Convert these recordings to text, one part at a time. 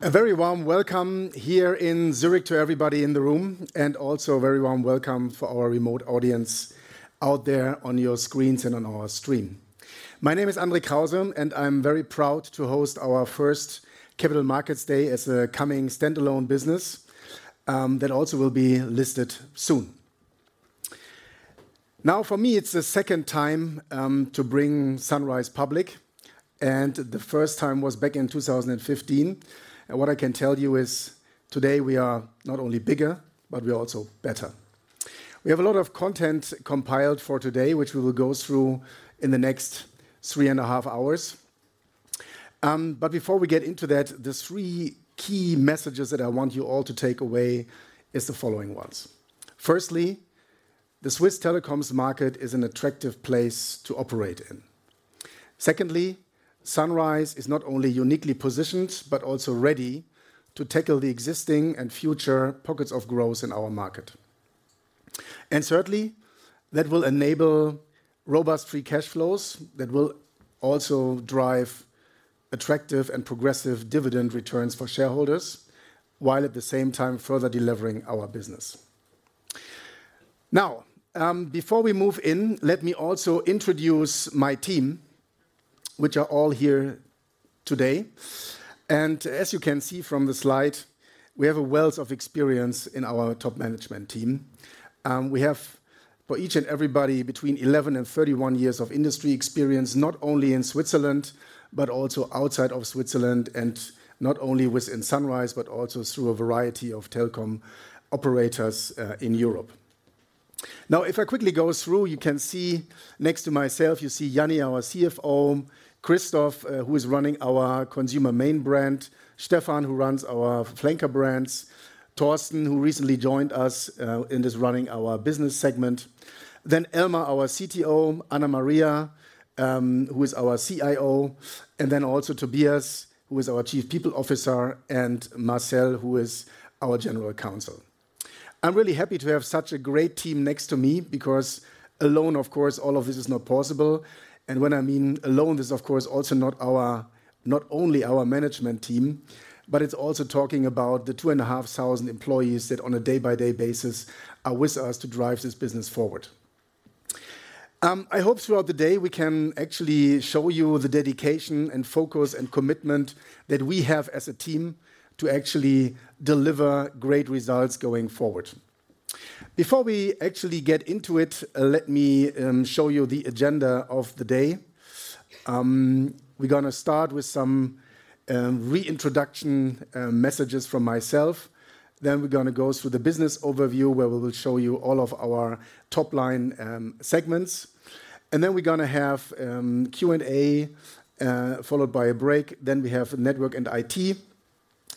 A very warm welcome here in Zurich to everybody in the room, and also a very warm welcome for our remote audience out there on your screens and on our stream. My name is André Krause, and I'm very proud to host our first Capital Markets Day as a coming standalone business, that also will be listed soon. Now, for me, it's the second time, to bring Sunrise public, and the first time was back in two thousand and fifteen. And what I can tell you is, today we are not only bigger, but we are also better. We have a lot of content compiled for today, which we will go through in the next three and a half hours. But before we get into that, the three key messages that I want you all to take away is the following ones: firstly, the Swiss telecoms market is an attractive place to operate in. Secondly, Sunrise is not only uniquely positioned, but also ready to tackle the existing and future pockets of growth in our market. And thirdly, that will enable robust free cash flows that will also drive attractive and progressive dividend returns for shareholders, while at the same time further delivering our business. Now, before we move in, let me also introduce my team, which are all here today. And as you can see from the slide, we have a wealth of experience in our top management team. We have, for each and everybody, between 11 and 31 years of industry experience, not only in Switzerland, but also outside of Switzerland, and not only within Sunrise, but also through a variety of telecom operators, in Europe. Now, if I quickly go through, you can see, next to myself, you see Jany, our CFO. Christoph, who is running flanker brands. thorsten, who recently joined us, and is running our business segment. Then Elmar, our CTO. Anna Maria, who is our CIO. And then also Tobias, who is our Chief People Officer. And Marcel, who is our General Counsel. I'm really happy to have such a great team next to me, because alone, of course, all of this is not possible. And when I mean alone, this is of course also not only our management team, but it's also talking about the two and a half thousand employees that on a day-by-day basis are with us to drive this business forward. I hope throughout the day we can actually show you the dedication and focus and commitment that we have as a team to actually deliver great results going forward. Before we actually get into it, let me show you the agenda of the day. We're gonna start with some reintroduction messages from myself. Then we're gonna go through the business overview, where we will show you all of our top-line segments. And then we're gonna have Q&A followed by a break. Then we have network and IT,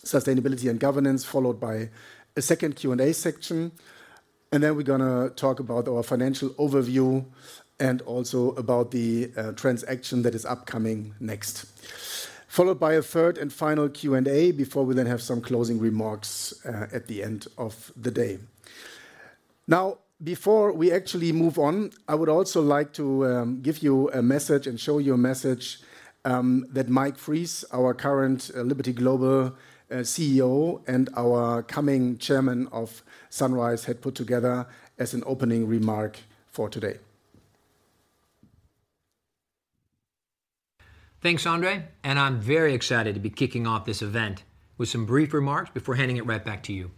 sustainability and governance, followed by a second Q&A section. And then we're gonna talk about our financial overview and also about the transaction that is upcoming next, followed by a third and final Q&A, before we then have some closing remarks at the end of the day. Now, before we actually move on, I would also like to give you a message and show you a message that Mike Fries, our current Liberty Global CEO, and our coming chairman of Sunrise, had put together as an opening remark for today. Thanks, André, and I'm very excited to be kicking off this event with some brief remarks before handing it right back to you.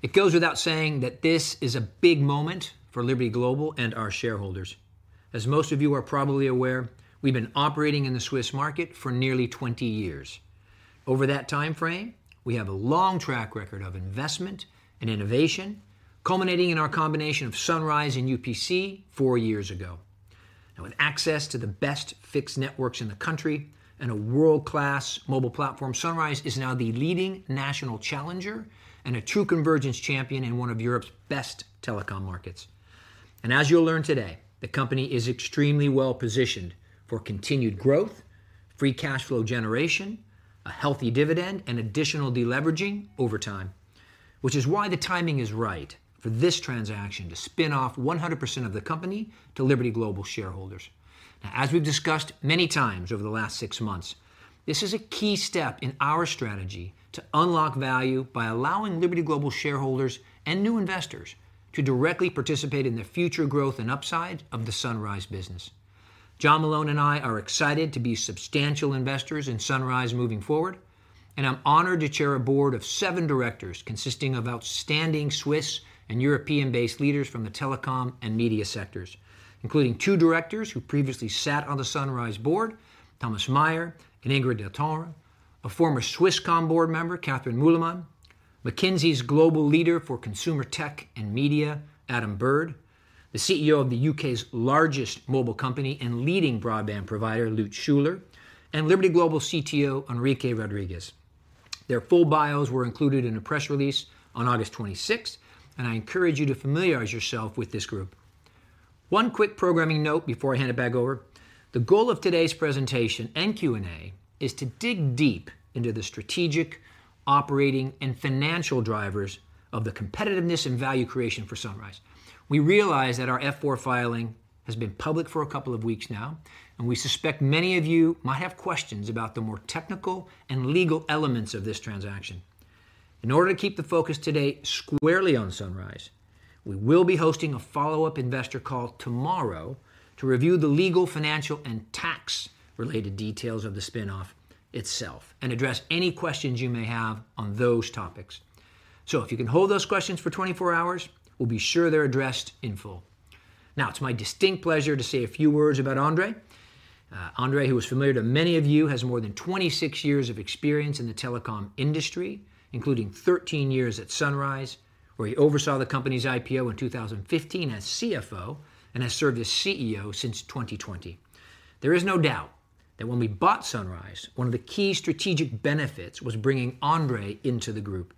It goes without saying that this is a big moment for Liberty Global and our shareholders. As most of you are probably aware, we've been operating in the Swiss market for nearly twenty years. Over that timeframe, we have a long track record of investment and innovation, culminating in our combination of Sunrise and UPC four years ago. Now, with access to the best fixed networks in the country and a world-class mobile platform, Sunrise is now the leading national challenger and a true convergence champion in one of Europe's best telecom markets. As you'll learn today, the company is extremely well-positioned for continued growth, free cash flow generation, a healthy dividend, and additional deleveraging over time, which is why the timing is right for this transaction to spin off 100% of the company to Liberty Global shareholders. Now, as we've discussed many times over the last six months, this is a key step in our strategy to unlock value by allowing Liberty Global shareholders and new investors to directly participate in the future growth and upside of the Sunrise business. John Malone and I are excited to be substantial investors in Sunrise moving forward, and I'm honored to chair a board of seven directors consisting of outstanding Swiss and European-based leaders from the telecom and media sectors, including two directors who previously sat on the Sunrise board, Thomas D. Meyer and Ingrid Deltenre; a former Swisscom board member, Catherine Mühlemann; McKinsey's Global Leader for Consumer Tech and Media, Adam Bird; the CEO of the U.K.'s largest mobile company and leading broadband provider, Lutz Schüler, and Liberty Global's CTO, Enrique Rodriguez. Their full bios were included in a press release on August twenty-sixth, and I encourage you to familiarize yourself with this group. One quick programming note before I hand it back over. The goal of today's presentation and Q&A is to dig deep into the strategic, operating, and financial drivers of the competitiveness and value creation for Sunrise. We realize that our Form F-4 filing has been public for a couple of weeks now, and we suspect many of you might have questions about the more technical and legal elements of this transaction. In order to keep the focus today squarely on Sunrise, we will be hosting a follow-up investor call tomorrow to review the legal, financial, and tax-related details of the spin-off itself and address any questions you may have on those topics. So if you can hold those questions for twenty-four hours, we'll be sure they're addressed in full. Now, it's my distinct pleasure to say a few words about André. André, who is familiar to many of you, has more than twenty-six years of experience in the telecom industry, including thirteen years at Sunrise, where he oversaw the company's IPO in 2015 as CFO and has served as CEO since 2020. There is no doubt that when we bought Sunrise, one of the key strategic benefits was bringing André into the group.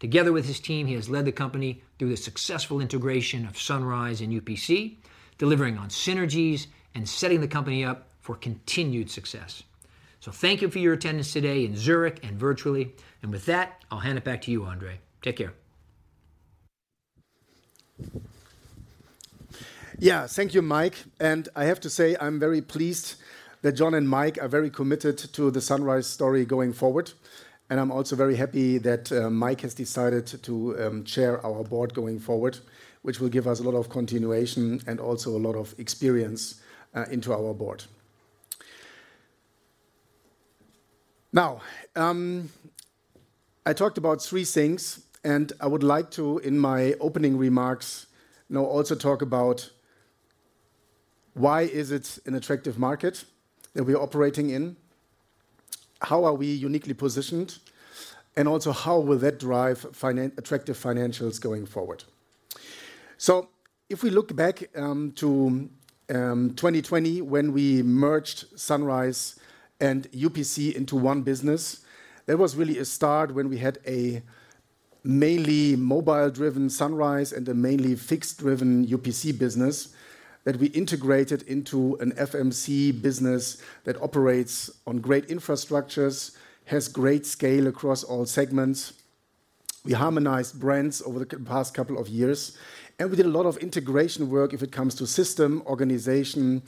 Together with his team, he has led the company through the successful integration of Sunrise and UPC, delivering on synergies and setting the company up for continued success. So thank you for your attendance today in Zurich and virtually, and with that, I'll hand it back to you, André. Take care. Yeah. Thank you, Mike, and I have to say, I'm very pleased that John and Mike are very committed to the Sunrise story going forward, and I'm also very happy that Mike has decided to chair our board going forward, which will give us a lot of continuation and also a lot of experience into our board. Now, I talked about three things, and I would like to, in my opening remarks, now also talk about why is it an attractive market that we're operating in? How are we uniquely positioned, and also, how will that drive attractive financials going forward? So if we look back to 2020, when we merged Sunrise and UPC into one business, that was really a start when we had a mainly mobile-driven Sunrise and a mainly fixed-driven UPC business that we integrated into an FMC business that operates on great infrastructures, has great scale across all segments. We harmonized brands over the past couple of years, and we did a lot of integration work if it comes to system, organization,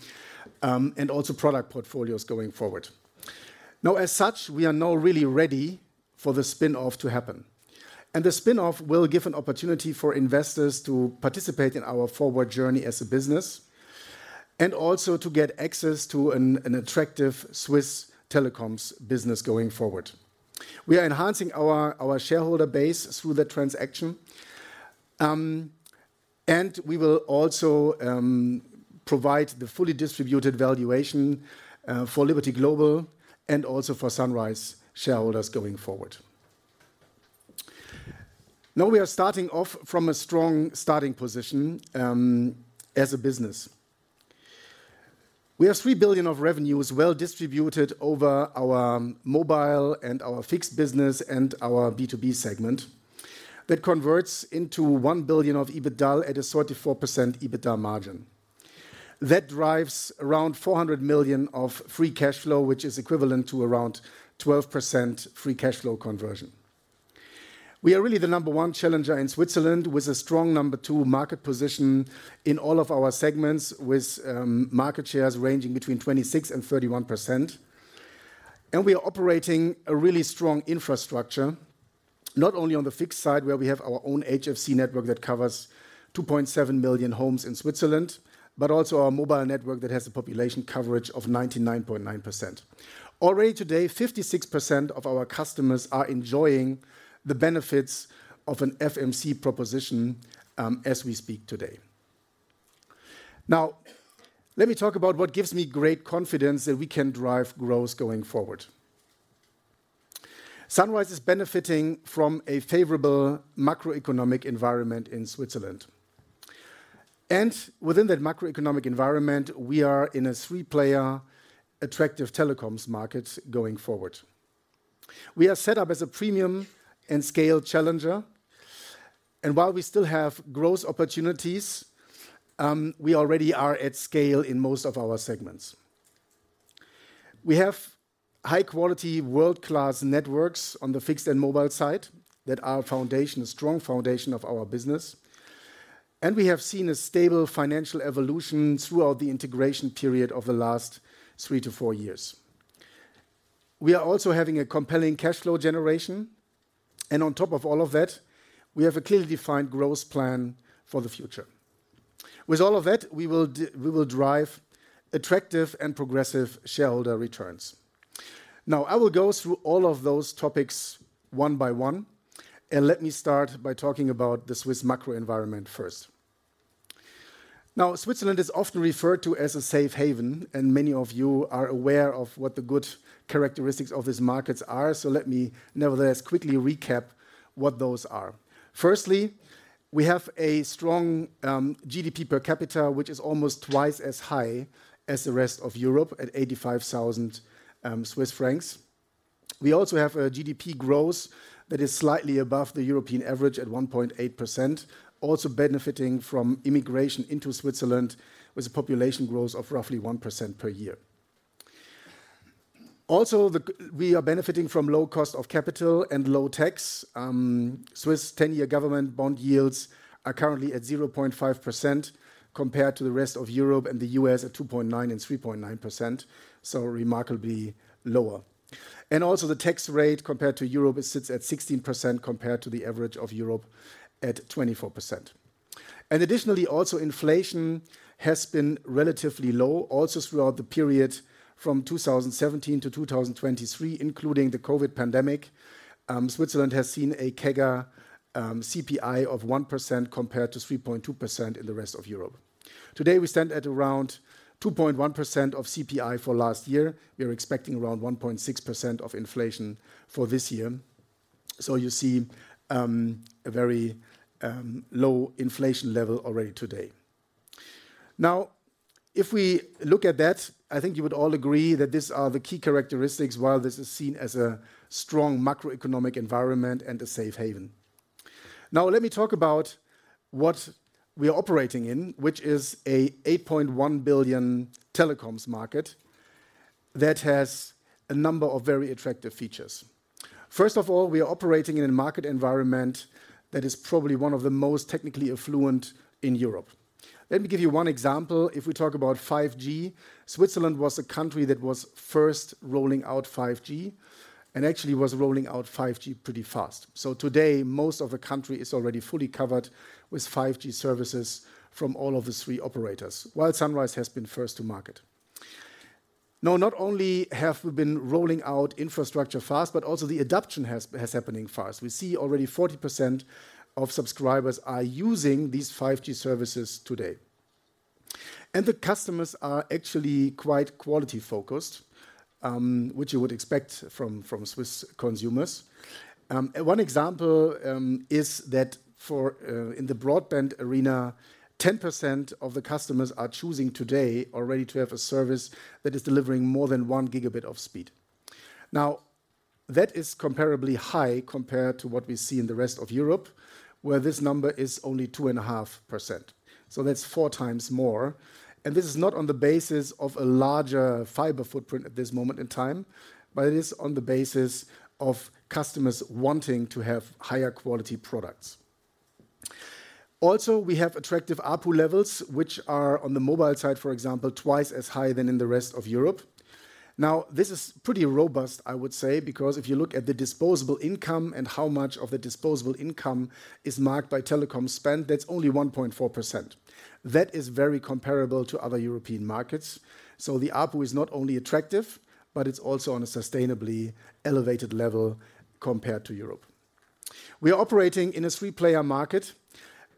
and also product portfolios going forward. Now, as such, we are now really ready for the spin-off to happen. And the spin-off will give an opportunity for investors to participate in our forward journey as a business, and also to get access to an attractive Swiss telecoms business going forward. We are enhancing our shareholder base through that transaction. And we will also provide the fully distributed valuation for Liberty Global and also for Sunrise shareholders going forward. Now, we are starting off from a strong starting position as a business. We have 3 billion of revenues well-distributed over our mobile and our fixed business and our B2B segment. That converts into 1 billion of EBITDA at a 34% EBITDA margin. That drives around 400 million of free cash flow, which is equivalent to around 12% free cash flow conversion. We are really the number one challenger in Switzerland, with a strong number two market position in all of our segments, with market shares ranging between 26% and 31%. We are operating a really strong infrastructure, not only on the fixed side, where we have our own HFC network that covers 2.7 million homes in Switzerland, but also our mobile network that has a population coverage of 99.9%. Already today, 56% of our customers are enjoying the benefits of an FMC proposition, as we speak today. Now, let me talk about what gives me great confidence that we can drive growth going forward. Sunrise is benefiting from a favorable macroeconomic environment in Switzerland. Within that macroeconomic environment, we are in a three-player, attractive telecoms market going forward. We are set up as a premium and scale challenger, and while we still have growth opportunities, we already are at scale in most of our segments. We have high-quality, world-class networks on the fixed and mobile side that are a foundation, a strong foundation of our business, and we have seen a stable financial evolution throughout the integration period of the last three to four years. We are also having a compelling cash flow generation, and on top of all of that, we have a clearly defined growth plan for the future. With all of that, we will drive attractive and progressive shareholder returns. Now, I will go through all of those topics one by one, and let me start by talking about the Swiss macro environment first. Now, Switzerland is often referred to as a safe haven, and many of you are aware of what the good characteristics of these markets are. So let me, nevertheless, quickly recap what those are. Firstly, we have a strong GDP per capita, which is almost twice as high as the rest of Europe, at 85,000 Swiss francs. We also have a GDP growth that is slightly above the European average at 1.8%, also benefiting from immigration into Switzerland, with a population growth of roughly 1% per year. Also, we are benefiting from low cost of capital and low tax. Swiss ten-year government bond yields are currently at 0.5%, compared to the rest of Europe and the U.S. at 2.9% and 3.9%, so remarkably lower. The tax rate compared to Europe sits at 16%, compared to the average of Europe at 24%. Additionally, also inflation has been relatively low also throughout the period from 2017 to 2023, including the COVID pandemic. Switzerland has seen a CAGR, CPI of 1% compared to 3.2% in the rest of Europe. Today, we stand at around 2.1% of CPI for last year. We are expecting around 1.6% of inflation for this year. So you see, a very, low inflation level already today. Now, if we look at that, I think you would all agree that these are the key characteristics, while this is seen as a strong macroeconomic environment and a safe haven. Now, let me talk about what we are operating in, which is a 8.1 billion telecoms market that has a number of very attractive features. First of all, we are operating in a market environment that is probably one of the most technically affluent in Europe. Let me give you one example. If we talk about 5G, Switzerland was a country that was first rolling out 5G and actually was rolling out 5G pretty fast. So today, most of the country is already fully covered with 5G services from all of the three operators, while Sunrise has been first to market. Now, not only have we been rolling out infrastructure fast, but also the adoption has happening fast. We see already 40% of subscribers are using these 5G services today. And the customers are actually quite quality-focused, which you would expect from Swiss consumers. One example is that for in the broadband arena, 10% of the customers are choosing today already to have a service that is delivering more than one gigabit of speed. Now, that is comparably high compared to what we see in the rest of Europe, where this number is only 2.5%. So that's four times more, and this is not on the basis of a larger fiber footprint at this moment in time, but it is on the basis of customers wanting to have higher quality products. Also, we have attractive ARPU levels, which are on the mobile side, for example, twice as high than in the rest of Europe. Now, this is pretty robust, I would say, because if you look at the disposable income and how much of the disposable income is marked by telecom spend, that's only 1.4%. That is very comparable to other European markets. So the ARPU is not only attractive, but it's also on a sustainably elevated level compared to Europe. We are operating in a three-player market,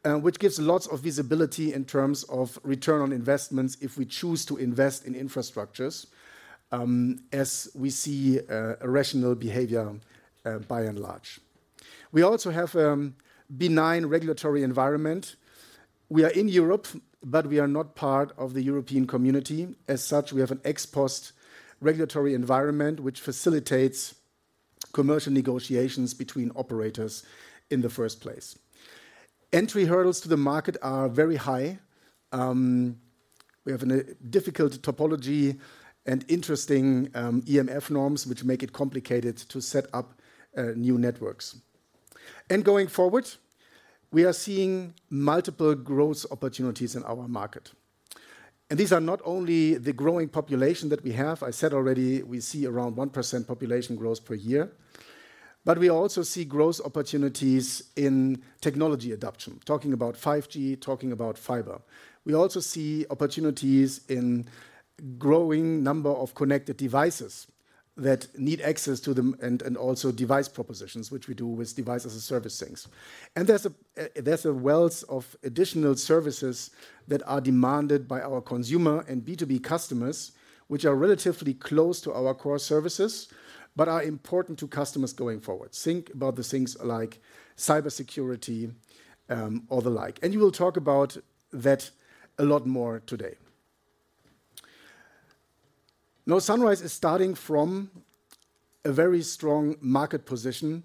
which gives lots of visibility in terms of return on investments if we choose to invest in infrastructures, as we see, a rational behavior, by and large. We also have, benign regulatory environment. We are in Europe, but we are not part of the European community. As such, we have an ex post regulatory environment which facilitates commercial negotiations between operators in the first place. Entry hurdles to the market are very high. We have a difficult topology and interesting EMF norms, which make it complicated to set up new networks. And going forward, we are seeing multiple growth opportunities in our market, and these are not only the growing population that we have. I said already, we see around 1% population growth per year, but we also see growth opportunities in technology adoption, talking about 5G, talking about fiber. We also see opportunities in growing number of connected devices that need access to them and also device propositions, which Device as a Service things. and there's a wealth of additional services that are demanded by our consumer and B2B customers, which are relatively close to our core services, but are important to customers going forward. Think about the things like cybersecurity, or the like, and we will talk about that a lot more today. Now, Sunrise is starting from a very strong market position,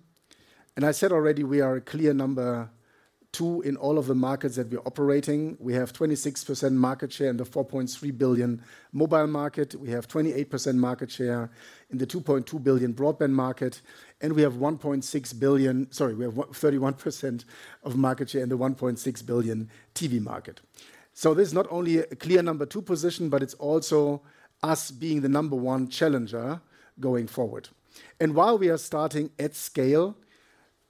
and I said already we are a clear number two in all of the markets that we are operating. We have 26% market share in the 4.3 billion mobile market. We have 28% market share in the 2.2 billion broadband market, and we have one point six billion. Sorry, we have 31% of market share in the 1.6 billion TV market. So this is not only a clear number two position, but it's also us being the number one challenger going forward. While we are starting at scale,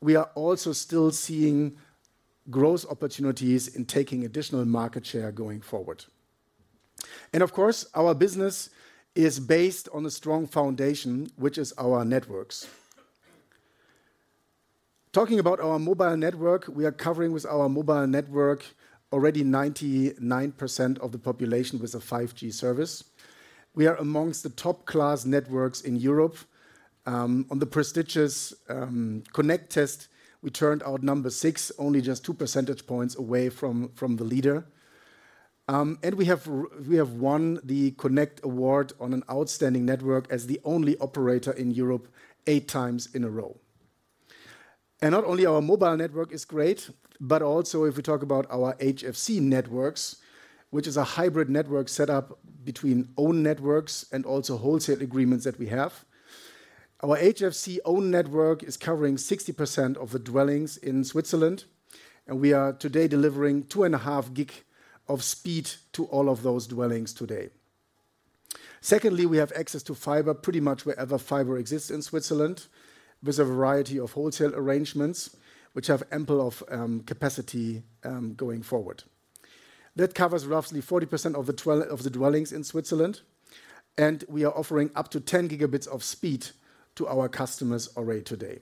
we are also still seeing growth opportunities in taking additional market share going forward. Of course, our business is based on a strong foundation, which is our networks. Talking about our mobile network, we are covering with our mobile network already 99% of the population with a 5G service. We are amongst the top-class networks in Europe. On the prestigious Connect test, we turned out number six, only just two percentage points away from the leader. And we have won the Connect Award on an outstanding network as the only operator in Europe eight times in a row. Not only our mobile network is great, but also if we talk about our HFC networks, which is a hybrid network set up between own networks and also wholesale agreements that we have. Our HFC own network is covering 60% of the dwellings in Switzerland, and we are today delivering two and a half gig of speed to all of those dwellings today. Secondly, we have access to fiber pretty much wherever fiber exists in Switzerland, with a variety of wholesale arrangements, which have ample capacity going forward. That covers roughly 40% of the dwellings in Switzerland, and we are offering up to 10 gigabits of speed to our customers already today.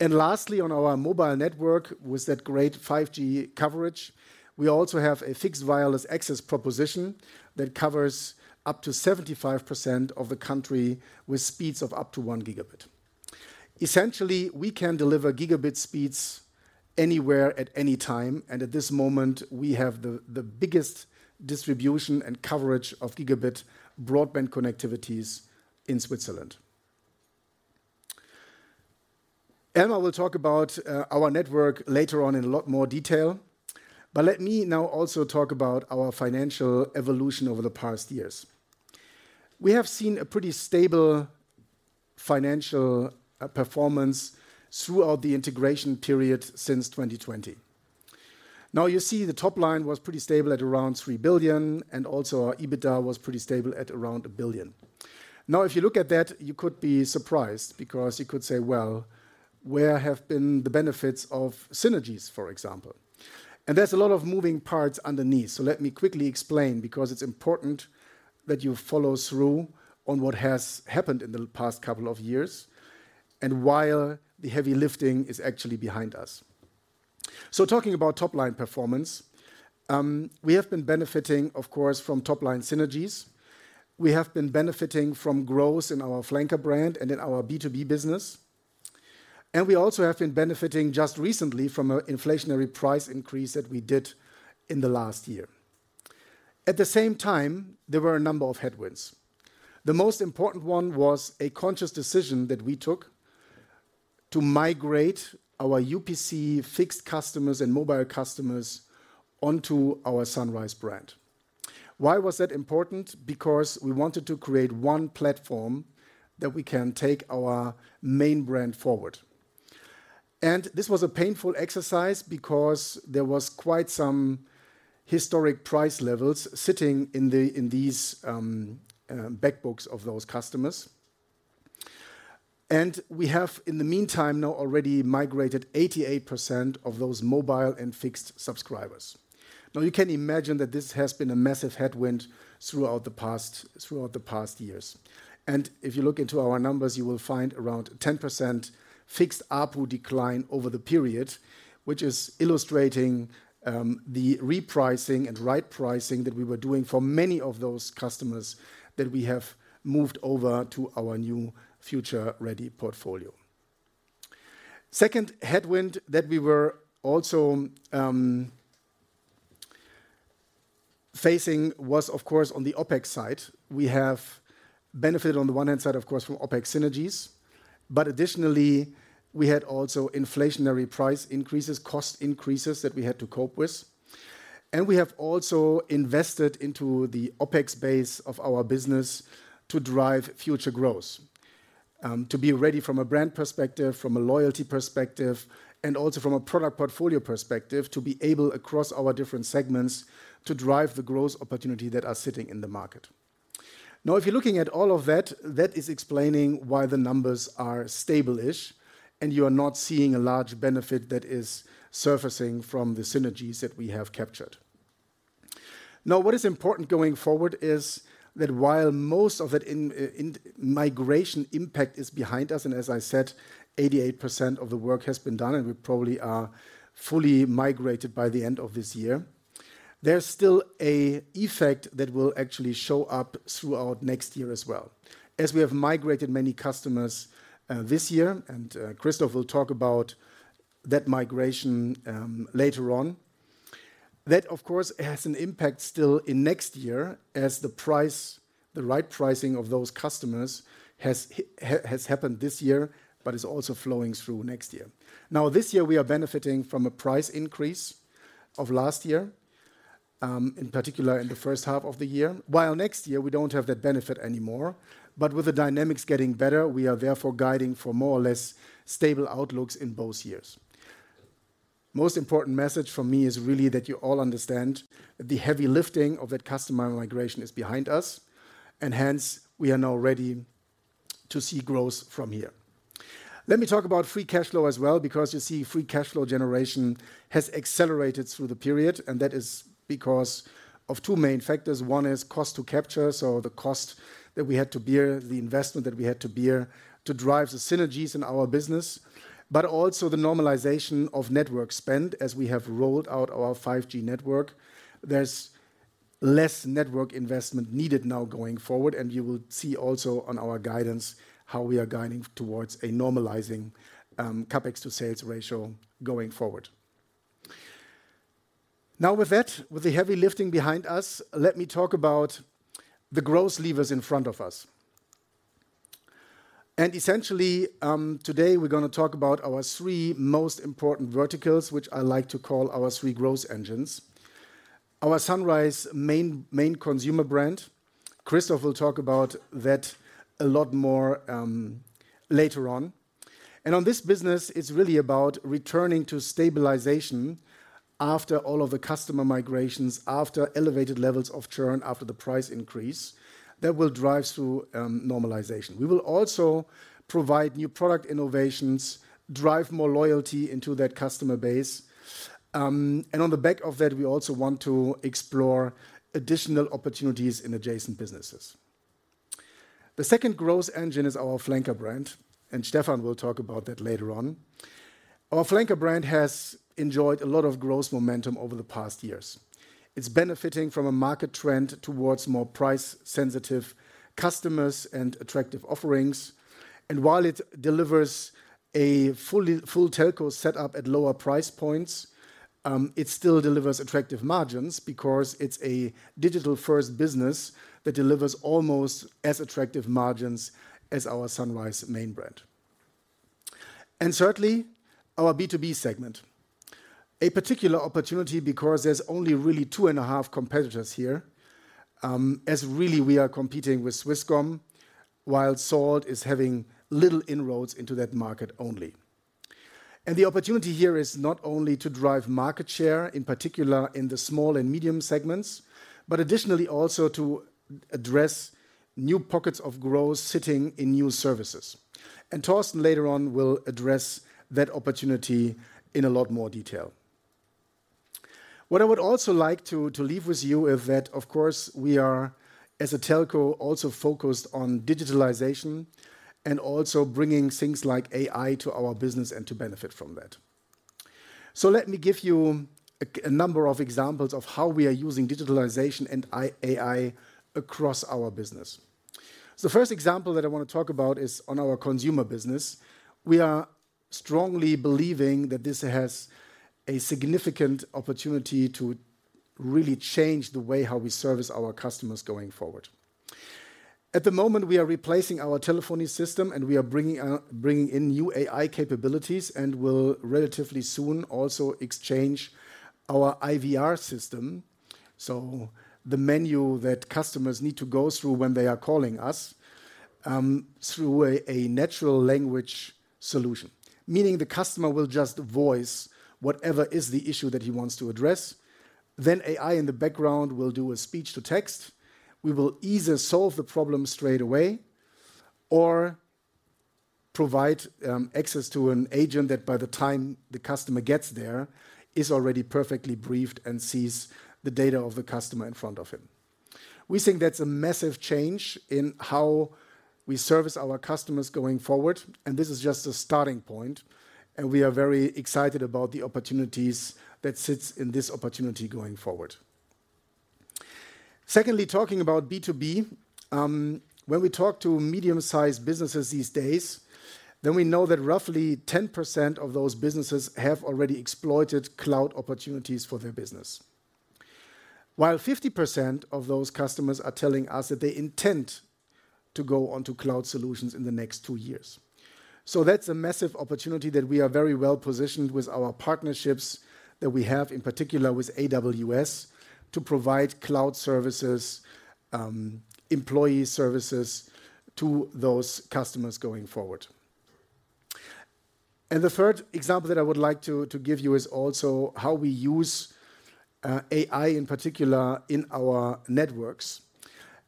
And lastly, on our mobile network, with that great 5G coverage, we also have a fixed wireless access proposition that covers up to 75% of the country with speeds of up to 1 gigabit. Essentially, we can deliver gigabit speeds anywhere at any time, and at this moment, we have the biggest distribution and coverage of gigabit broadband connectivities in Switzerland. Elmar will talk about our network later on in a lot more detail, but let me now also talk about our financial evolution over the past years. We have seen a pretty stable financial performance throughout the integration period since 2020. Now, you see the top line was pretty stable at around 3 billion, and also our EBITDA was pretty stable at around 1 billion. Now, if you look at that, you could be surprised because you could say, "Well, where have been the benefits of synergies?" for example. And there's a lot of moving parts underneath, so let me quickly explain, because it's important that you follow through on what has happened in the past couple of years and why the heavy lifting is actually behind us. So talking about top-line performance, we have been benefiting, of course, from top-line synergies. We have flanker brand and in our b2b business, and we also have been benefiting just recently from an inflationary price increase that we did in the last year. At the same time, there were a number of headwinds. The most important one was a conscious decision that we took to migrate our UPC fixed customers and mobile customers onto our Sunrise brand. Why was that important? Because we wanted to create one platform that we can take our main brand forward, and this was a painful exercise because there was quite some historic price levels sitting in these back books of those customers, and we have, in the meantime, now already migrated 88% of those mobile and fixed subscribers. Now, you can imagine that this has been a massive headwind throughout the past years. And if you look into our numbers, you will find around 10% fixed ARPU decline over the period, which is illustrating the repricing and right pricing that we were doing for many of those customers that we have moved over to our new future-ready portfolio. Second headwind that we were also facing was, of course, on the OpEx side. We have benefited on the one hand side, of course, from OpEx synergies, but additionally, we had also inflationary price increases, cost increases that we had to cope with. And we have also invested into the OpEx base of our business to drive future growth, to be ready from a brand perspective, from a loyalty perspective, and also from a product portfolio perspective, to be able, across our different segments, to drive the growth opportunity that are sitting in the market. Now, if you're looking at all of that, that is explaining why the numbers are stable-ish, and you are not seeing a large benefit that is surfacing from the synergies that we have captured. Now, what is important going forward is that while most of it in migration impact is behind us, and as I said, 88% of the work has been done, and we probably are fully migrated by the end of this year, there's still an effect that will actually show up throughout next year as well. As we have migrated many customers this year, and Christoph will talk about that migration later on, that, of course, has an impact still in next year as the pricing of those customers has happened this year, but is also flowing through next year. Now, this year, we are benefiting from a price increase of last year, in particular in the first half of the year, while next year we don't have that benefit anymore. But with the dynamics getting better, we are therefore guiding for more or less stable outlooks in both years. Most important message from me is really that you all understand the heavy lifting of that customer migration is behind us, and hence, we are now ready to see growth from here. Let me talk about Free Cash Flow as well, because you see, Free Cash Flow generation has accelerated through the period, and that is because of two main factors. One is cost to capture, so the cost that we had to bear, the investment that we had to bear to drive the synergies in our business, but also the normalization of network spend. As we have rolled out our 5G network, there's less network investment needed now going forward, and you will see also on our guidance how we are guiding towards a normalizing, CapEx to sales ratio going forward. Now, with that, with the heavy lifting behind us, let me talk about the growth levers in front of us. And essentially, today we're gonna talk about our three most important verticals, which I like to call our three growth engines. Our Sunrise main consumer brand, Christoph will talk about that a lot more, later on. And on this business, it's really about returning to stabilization after all of the customer migrations, after elevated levels of churn, after the price increase, that will drive through, normalization. We will also provide new product innovations, drive more loyalty into that customer base. And on the back of that, we also want to explore additional opportunities in adjacent businesses. flanker brand has enjoyed a lot of growth momentum over the past years. It's benefiting from a market trend towards more price-sensitive customers and attractive offerings. And while it delivers a full telco setup at lower price points, it still delivers attractive margins because it's a digital-first business that delivers almost as attractive margins as our Sunrise main brand. And thirdly, our B2B segment. A particular opportunity because there's only really two and a half competitors here, as really we are competing with Swisscom, while Salt is having little inroads into that market only. The opportunity here is not only to drive market share, in particular in the small and medium segments, but additionally also to address new pockets of growth sitting in new services. Thorsten, later on, will address that opportunity in a lot more detail. What I would also like to leave with you is that, of course, we are, as a telco, also focused on digitalization and also bringing things like AI to our business and to benefit from that. So let me give you a number of examples of how we are using digitalization and AI across our business. The first example that I want to talk about is on our consumer business. We are strongly believing that this has a significant opportunity to really change the way how we service our customers going forward. At the moment, we are replacing our telephony system, and we are bringing in new AI capabilities and will relatively soon also exchange our IVR system. So the menu that customers need to go through when they are calling us through a natural language solution. Meaning the customer will just voice whatever is the issue that he wants to address, then AI in the background will do a speech-to-text. We will either solve the problem straight away or provide access to an agent that, by the time the customer gets there, is already perfectly briefed and sees the data of the customer in front of him. We think that's a massive change in how we service our customers going forward, and this is just a starting point, and we are very excited about the opportunities that sits in this opportunity going forward. Secondly, talking about B2B. When we talk to medium-sized businesses these days, then we know that roughly 10% of those businesses have already exploited cloud opportunities for their business, while 50% of those customers are telling us that they intend to go onto cloud solutions in the next two years. So that's a massive opportunity that we are very well-positioned with our partnerships that we have, in particular with AWS, to provide cloud services, employee services to those customers going forward. And the third example that I would like to give you is also how we use AI, in particular, in our networks.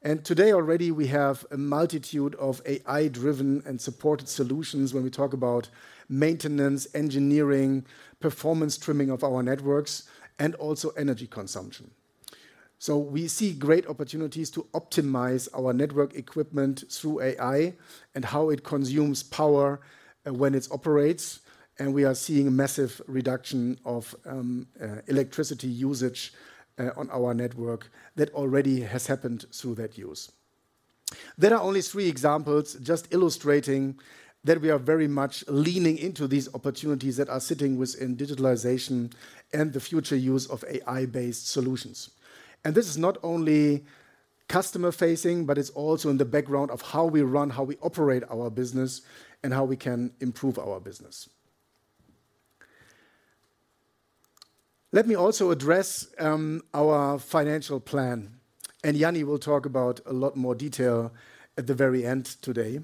And today already, we have a multitude of AI-driven and supported solutions when we talk about maintenance, engineering, performance trimming of our networks, and also energy consumption. So we see great opportunities to optimize our network equipment through AI and how it consumes power when it operates, and we are seeing a massive reduction of electricity usage on our network that already has happened through that use. There are only three examples just illustrating that we are very much leaning into these opportunities that are sitting within digitalization and the future use of AI-based solutions. And this is not only customer-facing, but it's also in the background of how we run, how we operate our business, and how we can improve our business. Let me also address our financial plan, and Jany will talk about a lot more detail at the very end today.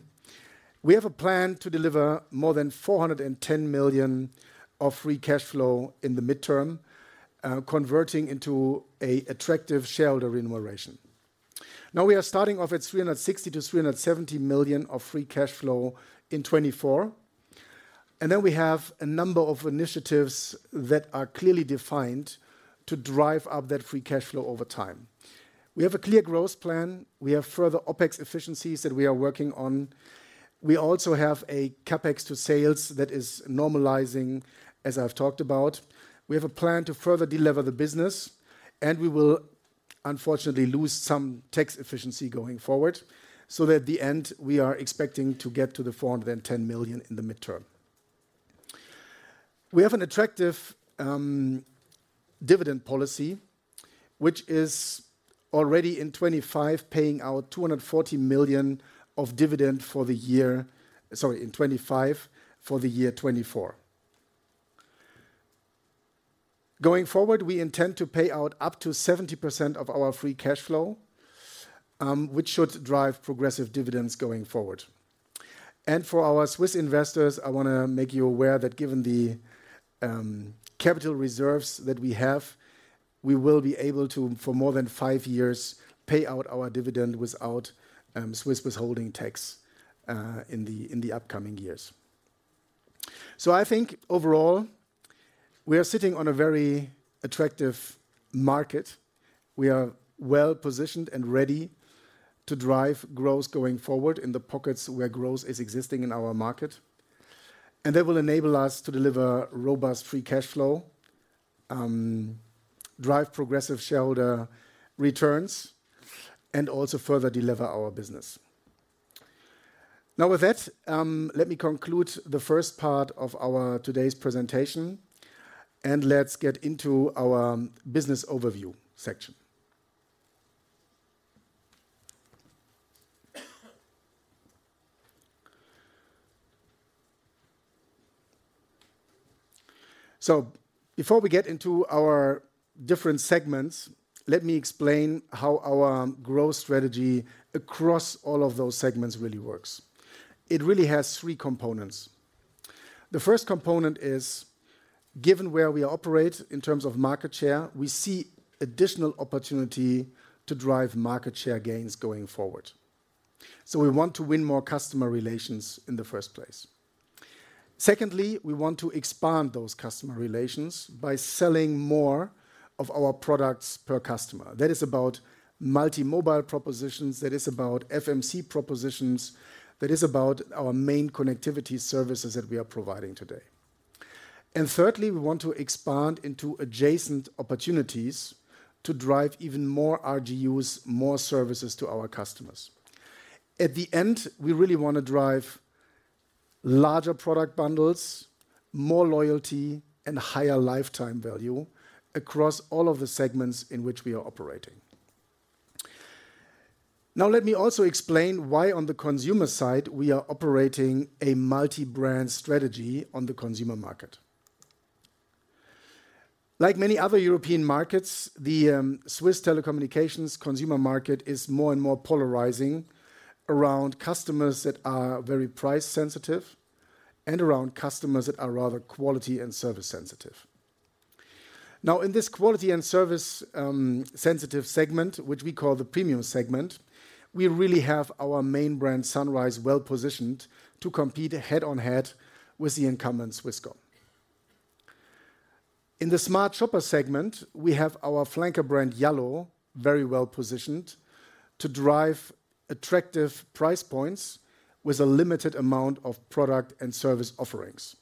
We have a plan to deliver more than 410 million of Free Cash Flow in the midterm, converting into a attractive shareholder remuneration. Now, we are starting off at 360-370 million of free cash flow in 2024, and then we have a number of initiatives that are clearly defined to drive up that free cash flow over time. We have a clear growth plan. We have further OpEx efficiencies that we are working on. We also have a CapEx to sales that is normalizing, as I've talked about. We have a plan to further delever the business, and we will unfortunately lose some tax efficiency going forward, so at the end, we are expecting to get to the 410 million in the midterm. We have an attractive dividend policy, which is already in 2025, paying out 240 million of dividend for the year 2024. Going forward, we intend to pay out up to 70% of our Free Cash Flow, which should drive progressive dividends going forward. And for our Swiss investors, I wanna make you aware that given the capital reserves that we have, we will be able to, for more than five years, pay out our dividend without Swiss withholding tax in the upcoming years. So I think overall, we are sitting on a very attractive market. We are well-positioned and ready to drive growth going forward in the pockets where growth is existing in our market, and that will enable us to deliver robust free cash flow, drive progressive shareholder returns, and also further deliver our business. Now, with that, let me conclude the first part of our today's presentation, and let's get into our business overview section. So before we get into our different segments, let me explain how our growth strategy across all of those segments really works. It really has three components. The first component is, given where we operate in terms of market share, we see additional opportunity to drive market share gains going forward. So we want to win more customer relations in the first place. Secondly, we want to expand those customer relations by selling more of our products per customer. That is about multi-mobile propositions, that is about FMC propositions, that is about our main connectivity services that we are providing today, and thirdly, we want to expand into adjacent opportunities to drive even more RGUs, more services to our customers. At the end, we really wanna drive larger product bundles, more loyalty, and higher lifetime value across all of the segments in which we are operating. Now, let me also explain why, on the consumer side, we are operating a multi-brand strategy on the consumer market. Like many other European markets, the Swiss telecommunications consumer market is more and more polarizing around customers that are very price sensitive and around customers that are rather quality and service sensitive. Now, in this quality and service sensitive segment, which we call the premium segment, we really have our main brand, Sunrise, well-positioned to compete head-to-head with the incumbent, Swisscom. In the flanker brand, yallo, very well-positioned to drive attractive price points with a limited amount of product and service offerings.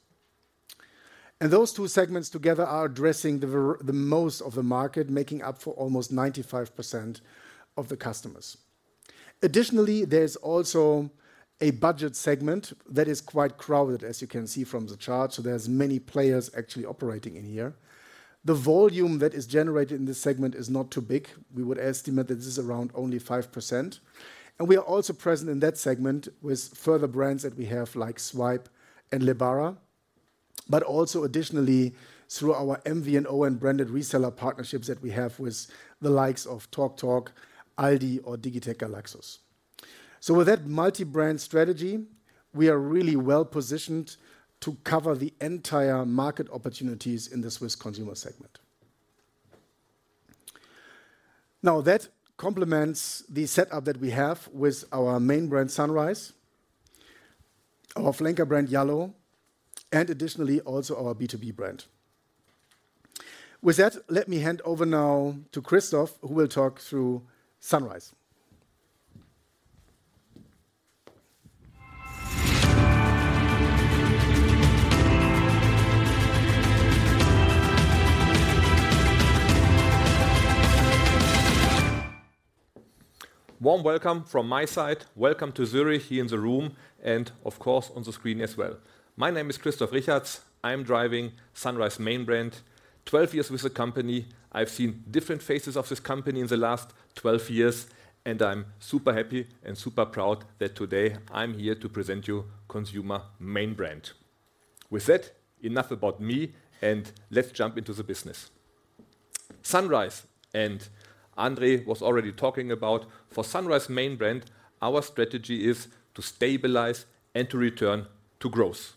Those two segments together are addressing the most of the market, making up for almost 95% of the customers. Additionally, there's also a budget segment that is quite crowded, as you can see from the chart, so there's many players actually operating in here. The volume that is generated in this segment is not too big. We would estimate that this is around only 5%, and we are also present in that segment with further brands that we have, like swype and Lebara, but also additionally, through our MVNO and branded reseller partnerships that we have with the likes of TalkTalk, Aldi, or Digitec Galaxus. So with that multi-brand strategy, we are really well-positioned to cover the entire market opportunities in the Swiss consumer segment. Now, that complements the setup that we have flanker brand, yallo, and additionally, also our b2b brand. With that, let me hand over now to Christoph, who will talk through Sunrise. Warm welcome from my side. Welcome to Zurich, here in the room, and of course, on the screen as well. My name is Christoph Richartz. I'm driving Sunrise main brand. Twelve years with the company, I've seen different phases of this company in the last twelve years, and I'm super happy and super proud that today I'm here to present you consumer main brand. With that, enough about me, and let's jump into the business. Sunrise, and André was already talking about, for Sunrise main brand, our strategy is to stabilize and to return to growth.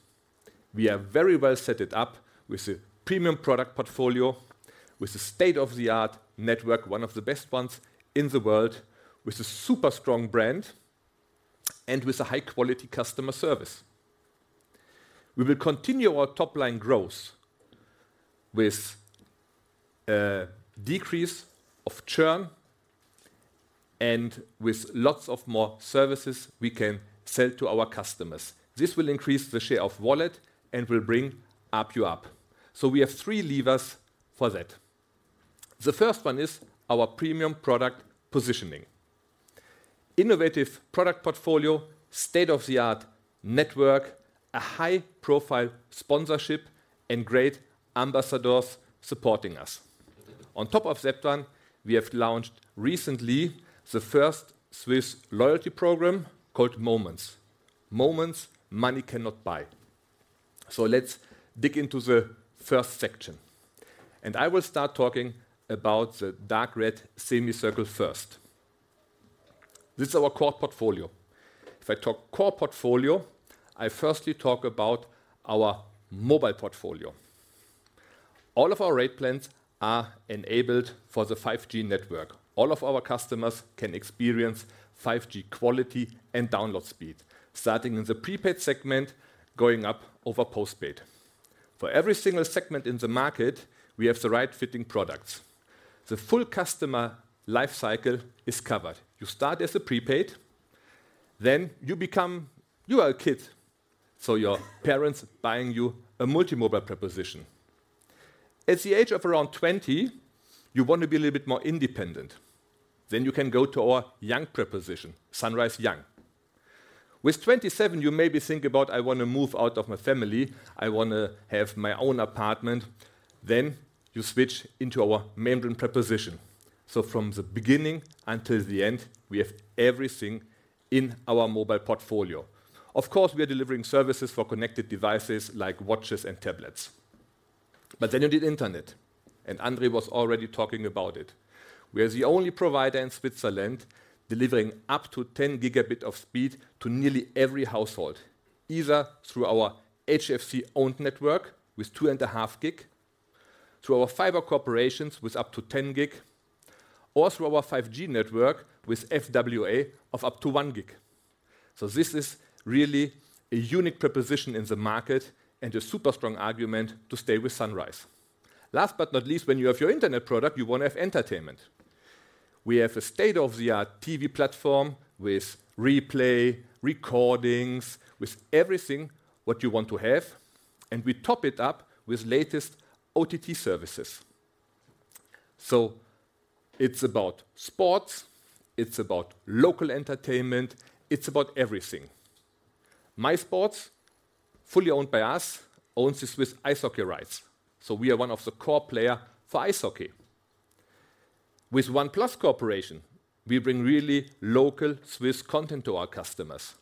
We are very well set it up with a premium product portfolio, with a state-of-the-art network, one of the best ones in the world, with a super strong brand, and with a high-quality customer service. We will continue our top-line growth with a decrease of churn and with lots of more services we can sell to our customers. This will increase the share of wallet and will bring ARPU up. So we have three levers for that. The first one is our premium product positioning. Innovative product portfolio, state-of-the-art network, a high-profile sponsorship, and great ambassadors supporting us. On top of that one, we have launched recently the first Swiss loyalty program called Moments. Moments money cannot buy. So let's dig into the first section, and I will start talking about the dark red semicircle first. This is our core portfolio. If I talk core portfolio, I firstly talk about our mobile portfolio. All of our rate plans are enabled for the 5G network. All of our customers can experience 5G quality and download speed, starting in the prepaid segment, going up over postpaid. For every single segment in the market, we have the right fitting products. The full customer life cycle is covered. You start as a prepaid, then you become a kid, so your parents buying you a multi-mobile proposition. At the age of around 20, you want to be a little bit more independent. Then you can go to our young proposition, Sunrise Young. With 27, you may be thinking about, "I want to move out of my family. I want to have my own apartment." Then you switch into our mainline proposition. So from the beginning until the end, we have everything in our mobile portfolio. Of course, we are delivering services for connected devices like watches and tablets. But then you need internet, and André was already talking about it. We are the only provider in Switzerland delivering up to 10 gigabit of speed to nearly every household, either through our HFC-owned network with 2.5 gig, through our fiber co-ops with up to 10 gig, or through our 5G network with FWA of up to 1 gig. This is really a unique position in the market and a super strong argument to stay with Sunrise. Last but not least, when you have your internet product, you want to have entertainment. We have a state-of-the-art TV platform with replay, recordings, with everything what you want to have, and we top it up with latest OTT services. It's about sports, it's about local entertainment, it's about everything. MySports, fully owned by us, owns the Swiss ice hockey rights, so we are one of the core player for ice hockey. With oneplus, we bring really local Swiss content to our customers,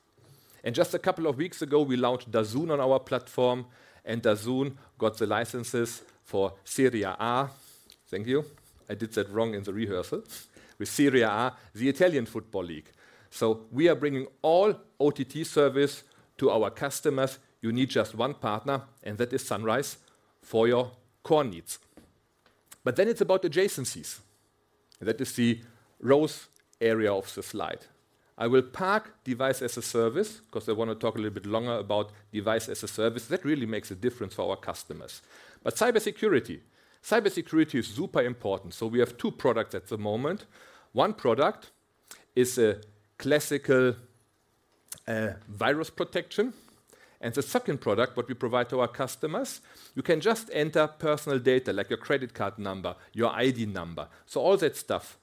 and just a couple of weeks ago, we launched DAZN on our platform, and DAZN got the licenses for Serie A. Thank you. I did that wrong in the rehearsal. With Serie A, the Italian Football League, so we are bringing all OTT service to our customers. You need just one partner, and that is Sunrise, for your core needs, but then it's about adjacencies. That is the rose area of the slide. Device as a Service because i want to talk a little Device as a Service. that really makes a difference for our customers, but cybersecurity, cybersecurity is super important, so we have two products at the moment. One product is a classical virus protection, and the second product what we provide to our customers, you can just enter personal data like your credit card number, your ID number, so all that stuff.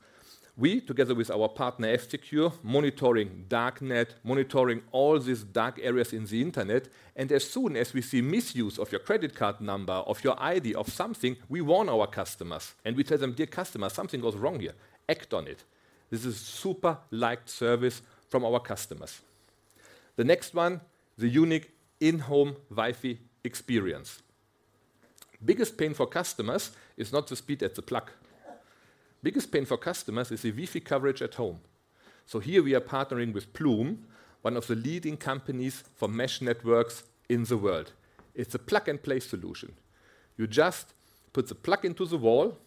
We, together with our partner, F-Secure, monitoring dark net, monitoring all these dark areas in the internet, and as soon as we see misuse of your credit card number, of your ID, of something, we warn our customers and we tell them, "Dear customer, something goes wrong here. Act on it." This is super liked service from our customers. The next one, the unique in-home Wi-Fi experience. Biggest pain for customers is not the speed at the plug. Biggest pain for customers is the Wi-Fi coverage at home. So here we are partnering with Plume, one of the leading companies for mesh networks in the world. It's a plug-and-play solution. You just put the plug into the wall,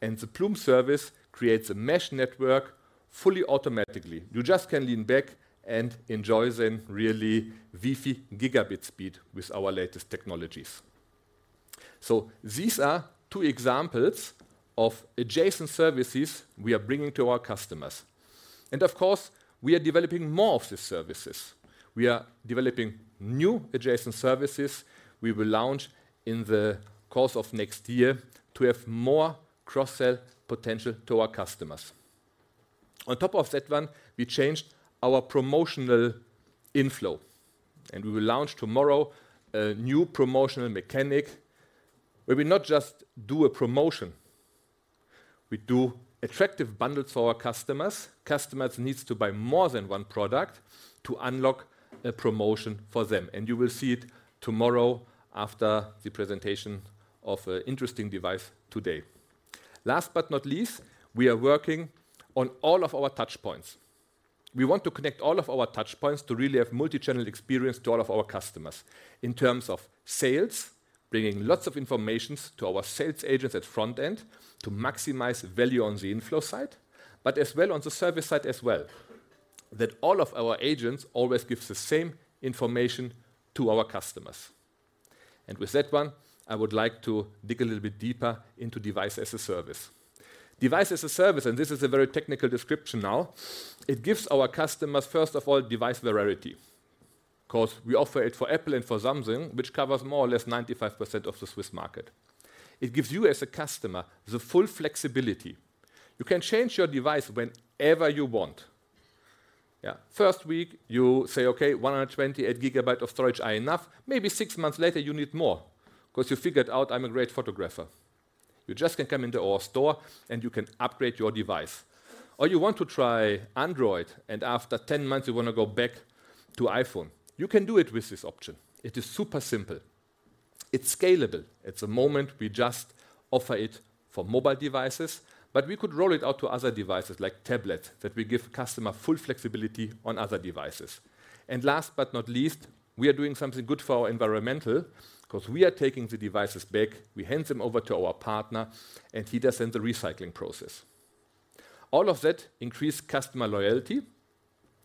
and the Plume service creates a mesh network fully, automatically. You just can lean back and enjoy then really Wi-Fi gigabit speed with our latest technologies. So these are two examples of adjacent services we are bringing to our customers. And of course, we are developing more of these services. We are developing new adjacent services we will launch in the course of next year to have more cross-sell potential to our customers. On top of that one, we changed our promotional inflow, and we will launch tomorrow a new promotional mechanic, where we not just do a promotion, we do attractive bundles for our customers. Customers needs to buy more than one product to unlock a promotion for them, and you will see it tomorrow after the presentation of an interesting device today. Last but not least, we are working on all of our touch points. We want to connect all of our touch points to really have multi-channel experience to all of our customers in terms of sales, bringing lots of informations to our sales agents at front end to maximize value on the inflow side, but as well on the service side as well, that all of our agents always gives the same information to our customers, and with that one, I would like to dig a little Device as a Service, and this is a very technical description now, it gives our customers, first of all, device variety. Of course, we offer it for Apple and for Samsung, which covers more or less 95% of the Swiss market. It gives you, as a customer, the full flexibility. You can change your device whenever you want. Yeah, first week you say, "Okay, one hundred and twenty-eight gigabyte of storage are enough." Maybe six months later, you need more 'cause you figured out, "I'm a great photographer." You just can come into our store, and you can upgrade your device. Or you want to try Android, and after ten months, you wanna go back to iPhone. You can do it with this option. It is super simple. It's scalable. At the moment, we just offer it for mobile devices, but we could roll it out to other devices, like tablet, that we give customer full flexibility on other devices. And last but not least, we are doing something good for our environment, 'cause we are taking the devices back, we hand them over to our partner, and he does then the recycling process. All of that increase customer loyalty,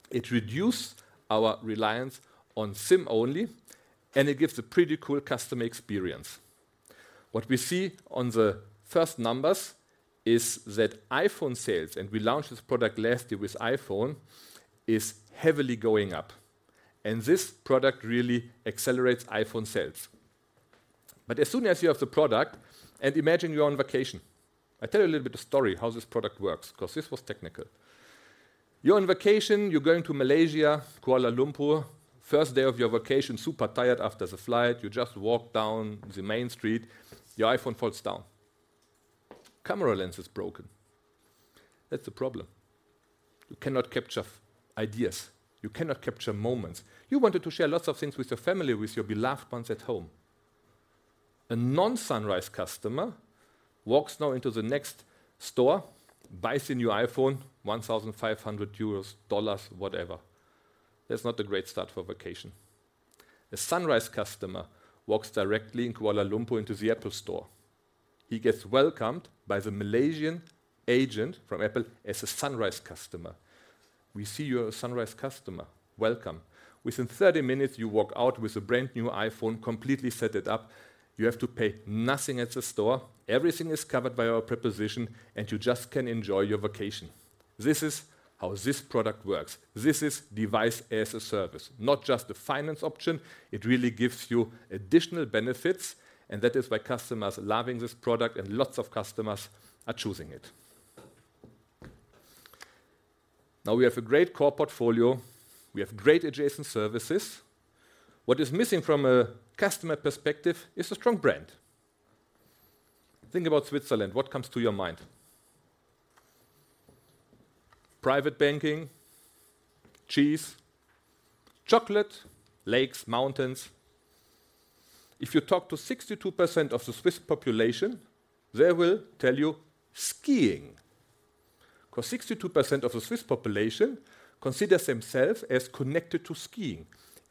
it reduce our reliance on SIM-only, and it gives a pretty cool customer experience. What we see on the first numbers is that iPhone sales, and we launched this product last year with iPhone, is heavily going up, and this product really accelerates iPhone sales, but as soon as you have the product, and imagine you're on vacation. I tell you a little bit of story, how this product works, 'cause this was technical. You're on vacation, you're going to Malaysia, Kuala Lumpur. First day of your vacation, super tired after the flight, you just walk down the main street, your iPhone falls down. Camera lens is broken. That's a problem. You cannot capture ideas. You cannot capture moments. You wanted to share lots of things with your family, with your beloved ones at home. A non-Sunrise customer walks now into the next store, buys a new iPhone, 1,500 euros, USD 1,500, whatever. That's not a great start for vacation. A Sunrise customer walks directly in Kuala Lumpur into the Apple store. He gets welcomed by the Malaysian agent from Apple as a Sunrise customer: "We see you're a Sunrise customer. Welcome." Within 30 minutes, you walk out with a brand-new iPhone, completely set it up. You have to pay nothing at the store. Everything is covered by our proposition, and you just can enjoy your vacation. This is how this product Device as a Service, not just a finance option. It really gives you additional benefits, and that is why customers are loving this product and lots of customers are choosing it. Now, we have a great core portfolio, we have great adjacent services. What is missing from a customer perspective is a strong brand. Think about Switzerland. What comes to your mind? Private banking, cheese, chocolate, lakes, mountains. If you talk to 62% of the Swiss population, they will tell you skiing, 'cause 62% of the Swiss population considers themselves as connected to skiing.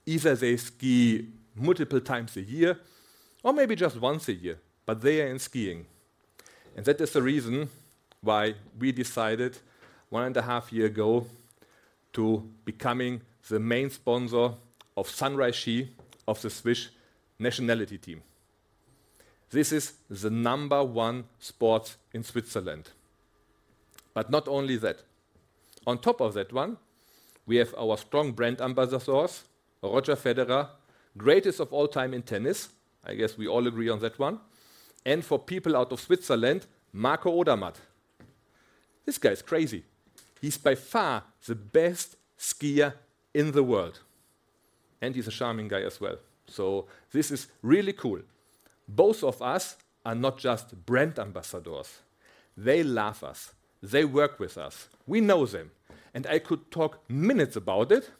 Either they ski multiple times a year or maybe just once a year, but they are in skiing. And that is the reason why we decided one and a half years ago to become the main sponsor of Sunrise Ski of the Swiss national team. This is the number one sport in Switzerland. But not only that. On top of that one, we have our strong brand ambassadors, Roger Federer, greatest of all time in tennis, I guess we all agree on that one, and for people out of Switzerland, Marco Odermatt. This guy is crazy. He's by far the best skier in the world, and he's a charming guy as well. So this is really cool. Both of us are not just brand ambassadors, they love us, they work with us. We know them, and I could talk minutes about it,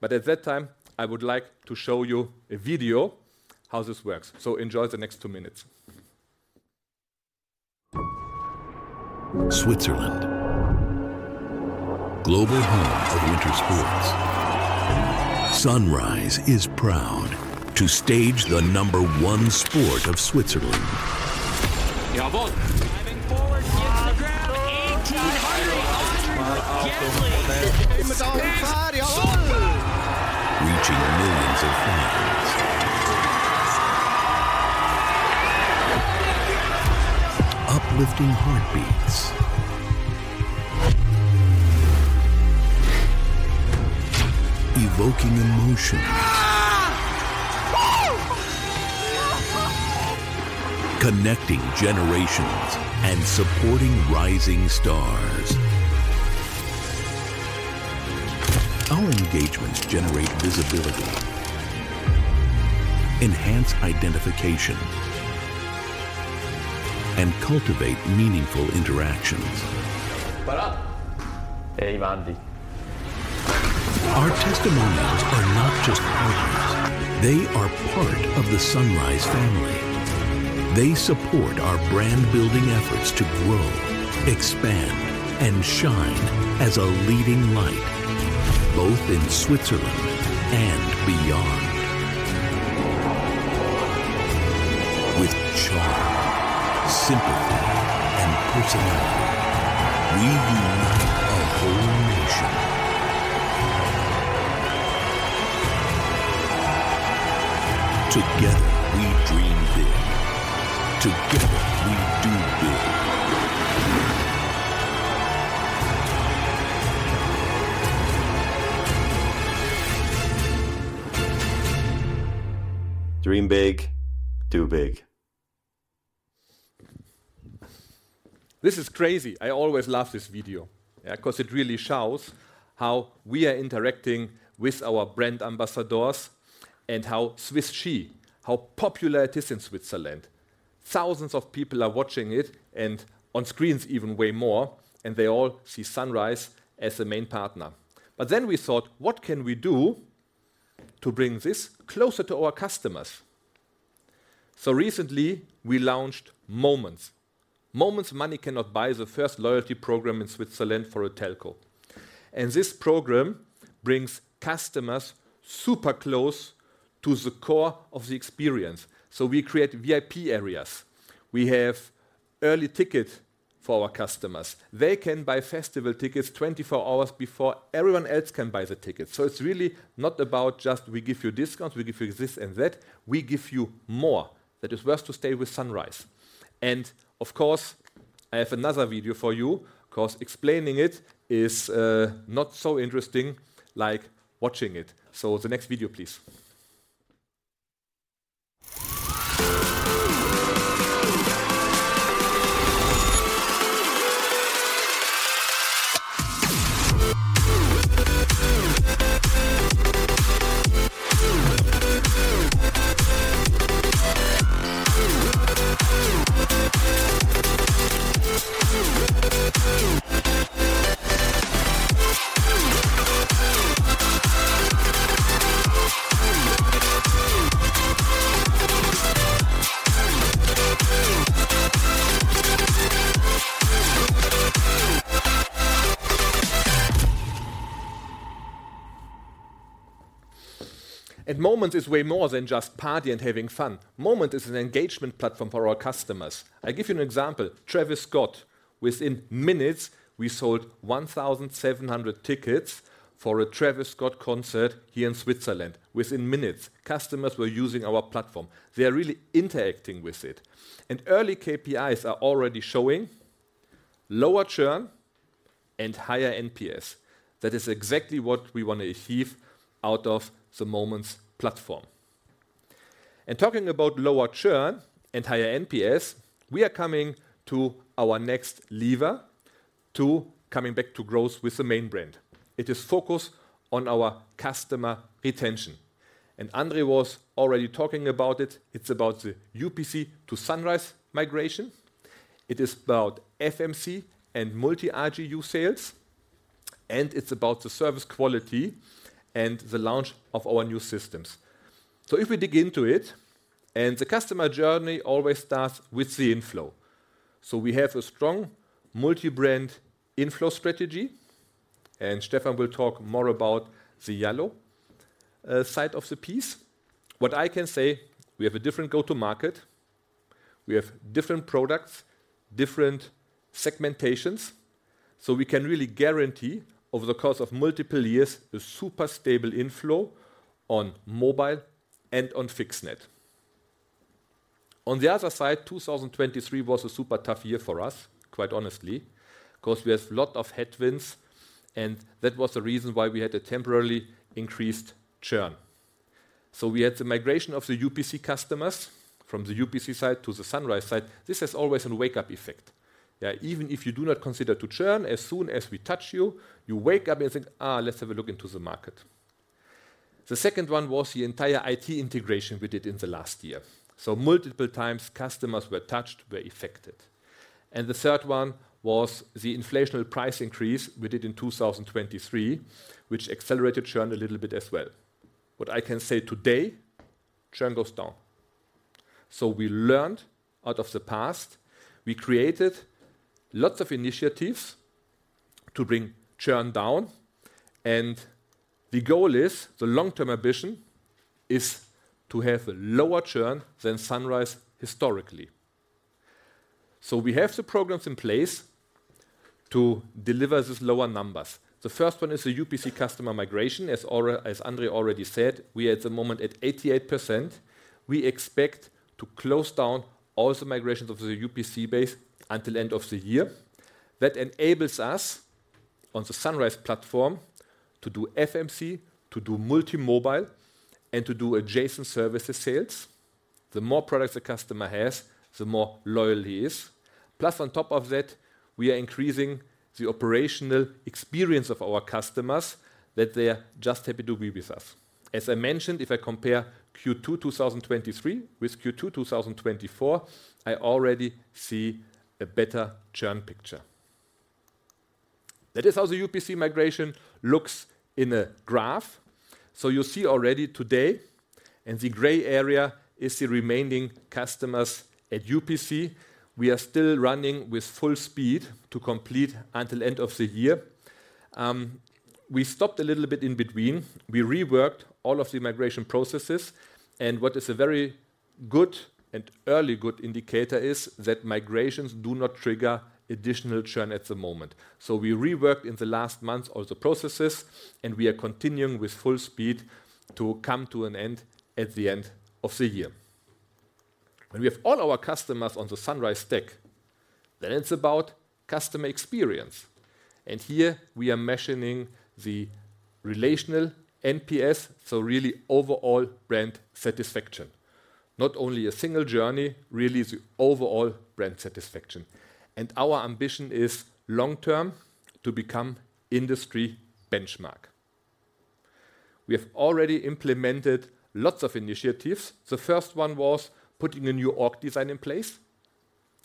but at that time, I would like to show you a video how this works. So enjoy the next two minutes. Switzerland, global home of winter sports. Sunrise is proud to stage the number one sport of Switzerland.... Jawohl! Driving forward, hits the ground, eighteen hundred gently. Reaching millions of hearts. Uplifting heartbeats. Evoking emotion. Ah! Whoo! Connecting generations and supporting rising stars. Our engagements generate visibility, enhance identification, and cultivate meaningful interactions.... Our ambassadors are not just partners, they are part of the Sunrise family. They support our brand-building efforts to grow, expand, and shine as a leading light, both in Switzerland and beyond. With charm, sympathy, and personality, we unite a whole nation. Together, we dream big. Together, we do big.... Dream big, do big. This is crazy! I always love this video, yeah, 'cause it really shows how we are interacting with our brand ambassadors and how Sunrise Ski, how popular it is in Switzerland. Thousands of people are watching it, and on screens even way more, and they all see Sunrise as a main partner. But then we thought, "What can we do to bring this closer to our customers?" So recently, we launched Moments. Moments Money Cannot Buy, the first loyalty program in Switzerland for a telco. And this program brings customers super close to the core of the experience. So we create VIP areas. We have early tickets for our customers. They can buy festival tickets twenty-four hours before everyone else can buy the tickets. So it's really not about just we give you discounts, we give you this and that. We give you more. That is worth to stay with Sunrise. And of course, I have another video for you, 'cause explaining it is not so interesting like watching it. So the next video, please. And Moments is way more than just party and having fun. Moments is an engagement platform for our customers. I give you an example: Travis Scott. Within minutes, we sold one thousand seven hundred tickets for a Travis Scott concert here in Switzerland. Within minutes, customers were using our platform. They are really interacting with it. And early KPIs are already showing lower churn and higher NPS. That is exactly what we wanna achieve out of the Moments platform. And talking about lower churn and higher NPS, we are coming to our next lever to coming back to growth with the main brand. It is focused on our customer retention, and André was already talking about it. It's about the UPC to Sunrise migration. It is about FMC and multi-RGU sales, and it's about the service quality and the launch of our new systems. So if we dig into it, and the customer journey always starts with the inflow. So we have a strong multi-brand inflow strategy, and Stefan will talk more about the Yallo side of the piece. What I can say, we have a different go-to-market, we have different products, different segmentations, so we can really guarantee over the course of multiple years, a super stable inflow on mobile and on fixed net. On the other side, 2023 was a super tough year for us, quite honestly, 'cause we have a lot of headwinds, and that was the reason why we had a temporarily increased churn. We had the migration of the UPC customers from the UPC side to the Sunrise side. This has always a wake-up effect. Even if you do not consider to churn, as soon as we touch you, you wake up and think, "Ah, let's have a look into the market." The second one was the entire IT integration we did in the last year. So multiple times, customers were touched, were affected. And the third one was the inflationary price increase we did in 2023, which accelerated churn a little bit as well. What I can say today, churn goes down. So we learned out of the past. We created lots of initiatives to bring churn down, and the goal is, the long-term ambition, is to have a lower churn than Sunrise historically. So we have the programs in place to deliver these lower numbers. The first one is the UPC customer migration. As André already said, we are at the moment at 88%. We expect to close down all the migrations of the UPC base until end of the year. That enables us, on the Sunrise platform, to do FMC, to do multi-mobile, and to do adjacent services sales. The more products a customer has, the more loyal he is. Plus, on top of that, we are increasing the operational experience of our customers, that they are just happy to be with us. As I mentioned, if I compare Q2 2023 with Q2 2024, I already see a better churn picture. That is how the UPC migration looks in a graph. So you see already today, and the gray area is the remaining customers at UPC. We are still running with full speed to complete until end of the year. We stopped a little bit in between. We reworked all of the migration processes, and what is a very good and early good indicator is that migrations do not trigger additional churn at the moment. So we reworked, in the last months, all the processes, and we are continuing with full speed to come to an end at the end of the year. When we have all our customers on the Sunrise stack, then it's about customer experience, and here we are measuring the relational NPS, so really overall brand satisfaction. Not only a single journey, really the overall brand satisfaction. And our ambition is long-term to become industry benchmark. We have already implemented lots of initiatives. The first one was putting a new org design in place,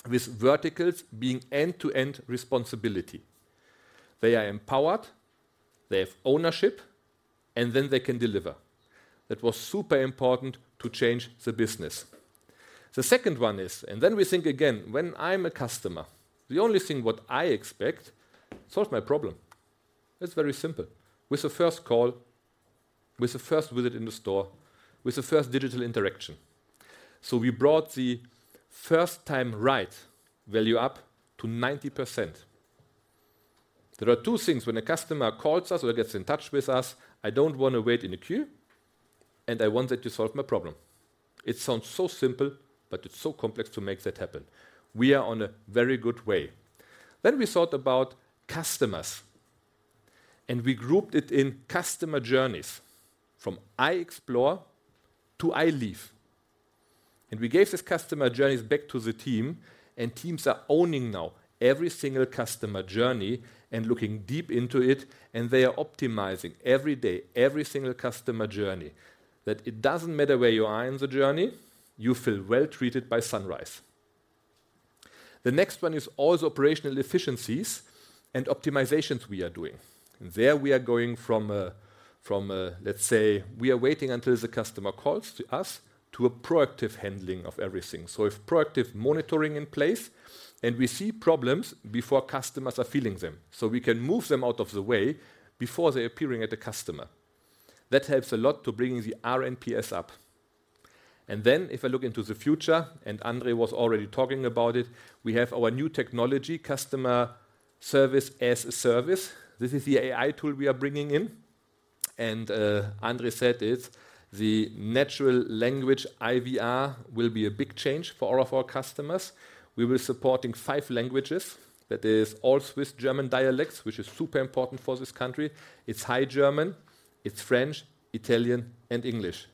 with verticals being end-to-end responsibility. They are empowered, they have ownership, and then they can deliver. That was super important to change the business. The second one is, and then we think again, when I'm a customer, the only thing what I expect, solve my problem. It's very simple. With the first call, with the first visit in the store, with the first digital interaction. So we brought the first time right value up to 90%. There are two things when a customer calls us or gets in touch with us: I don't wanna wait in a queue, and I want them to solve my problem. It sounds so simple, but it's so complex to make that happen. We are on a very good way. Then we thought about customers, and we grouped it in customer journeys, from I explore to I leave. We gave these customer journeys back to the team, and teams are owning now every single customer journey and looking deep into it, and they are optimizing every day, every single customer journey, that it doesn't matter where you are in the journey, you feel well treated by Sunrise. The next one is all the operational efficiencies and optimizations we are doing. There we are going from a, let's say, we are waiting until the customer calls to us, to a proactive handling of everything. So with proactive monitoring in place, and we see problems before customers are feeling them, so we can move them out of the way before they're appearing at the customer. That helps a lot to bringing the rNPS up. And then, if I look into the future, and André was already talking about it, we have our new technology, Customer Service as a Service. This is the AI tool we are bringing in, and, André said it, the natural language IVR will be a big change for all of our customers. We will supporting five languages. That is all Swiss German dialects, which is super important for this country. It's High German, it's French, Italian, and English.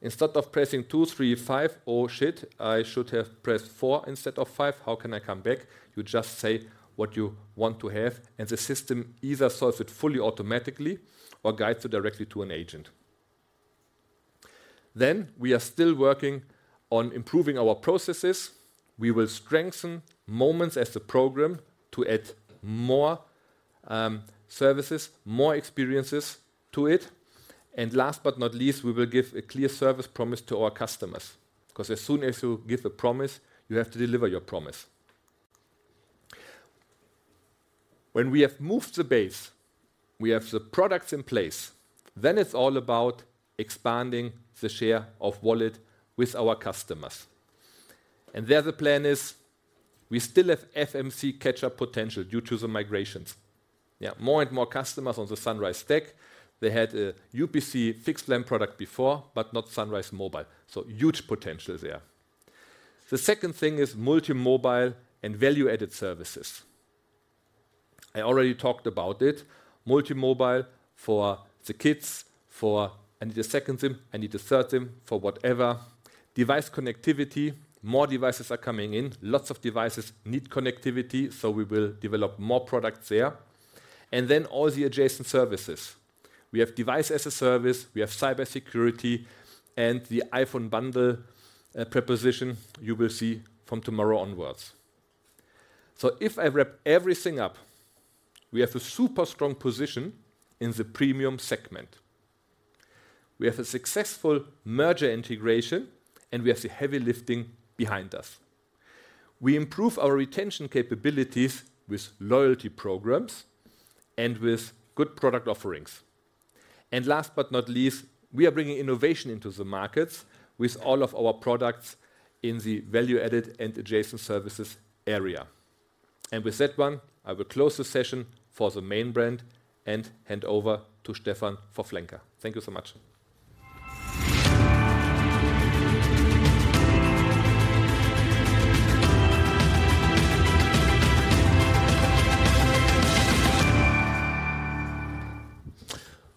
Instead of pressing two, three, five, "Oh, shit, I should have pressed four instead of five. How can I come back?" You just say what you want to have, and the system either solves it fully, automatically, or guides you directly to an agent. Then, we are still working on improving our processes. We will strengthen Moments as a program to add more, services, more experiences to it. And last but not least, we will give a clear service promise to our customers, 'cause as soon as you give a promise, you have to deliver your promise. When we have moved the base, we have the products in place, then it's all about expanding the share of wallet with our customers. And there the plan is, we still have FMC catch-up potential due to the migrations. Yeah, more and more customers on the Sunrise stack, they had a UPC fixed line product before, but not Sunrise Mobile, so huge potential there. The second thing is multi-mobile and value-added services. I already talked about it. Multi-mobile for the kids, for I need a second SIM, I need a third SIM, for whatever. Device connectivity, more devices are coming in. Lots of devices need connectivity, so we will develop more products there. And then all the adjacent services. Device as a Service, we have cybersecurity, and the iPhone bundle, proposition you will see from tomorrow onwards. So if I wrap everything up, we have a super strong position in the premium segment. We have a successful merger integration, and we have the heavy lifting behind us. We improve our retention capabilities with loyalty programs and with good product offerings. Last but not least, we are bringing innovation into the markets with all of our products in the value-added and adjacent services area. With that one, I will close the session for the main brand and hand over to Stefan for flanker. Thank you so much.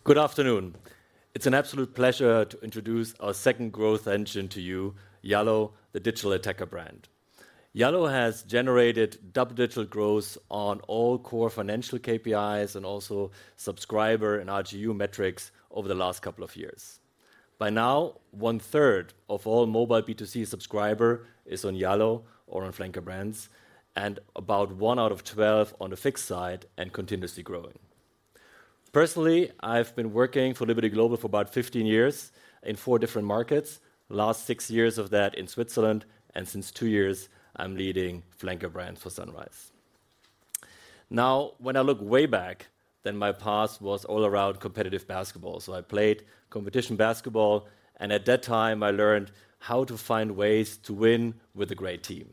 Good afternoon. It's an absolute pleasure to introduce our second growth engine to you, Yallo, the digital attacker brand. Yallo has generated double-digit growth on all core financial KPIs and also subscriber and RGU metrics over the last couple of years. By now, one third of all flanker brands, and about one out of twelve on the fixed side and continuously growing. Personally, I've been working for Liberty Global for about 15 years in 4 different markets, last 6 years of that in Switzerland, flanker brand for sunrise. now, when i look way back, then my past was all around competitive basketball. So I played competition basketball, and at that time, I learned how to find ways to win with a great team....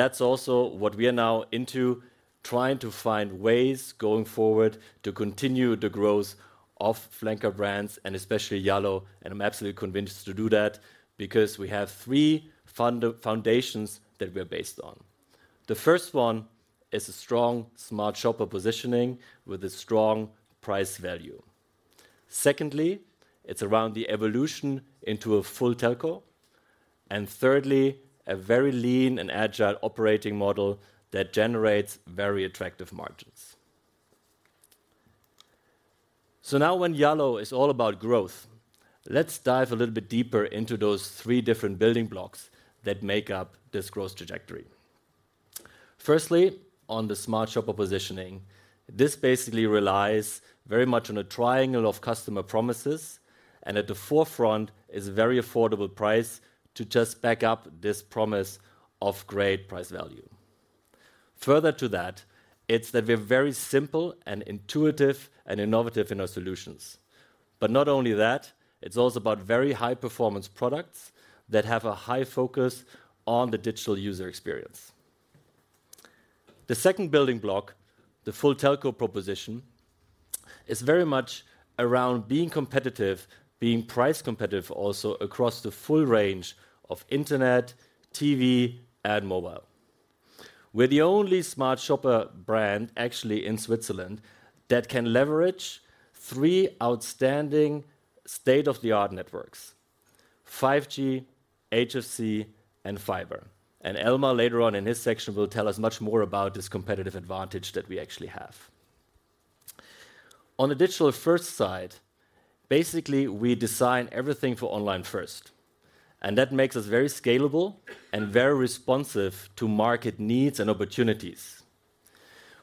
That's also what we are now into, trying to find flanker brands, and especially yallo. i'm absolutely convinced to do that because we have three foundations that we're based on. The first one is a strong, smart shopper positioning with a strong price value. Secondly, it's around the evolution into a full telco. And thirdly, a very lean and agile operating model that generates very attractive margins. So now, when Yallo is all about growth, let's dive a little bit deeper into those three different building blocks that make up this growth trajectory. Firstly, on the smart shopper positioning, this basically relies very much on a triangle of customer promises, and at the forefront is a very affordable price to just back up this promise of great price value. Further to that, it's that we're very simple and intuitive and innovative in our solutions. But not only that, it's also about very high-performance products that have a high focus on the digital user experience. The second building block, the full telco proposition, is very much around being competitive, being price competitive also across the full range of internet, TV, and mobile. We're the only smart shopper brand actually in Switzerland that can leverage three outstanding state-of-the-art networks: 5G, HFC, and fiber. And Elmar, later on in his section, will tell us much more about this competitive advantage that we actually have. On the digital-first side, basically, we design everything for online first, and that makes us very scalable and very responsive to market needs and opportunities.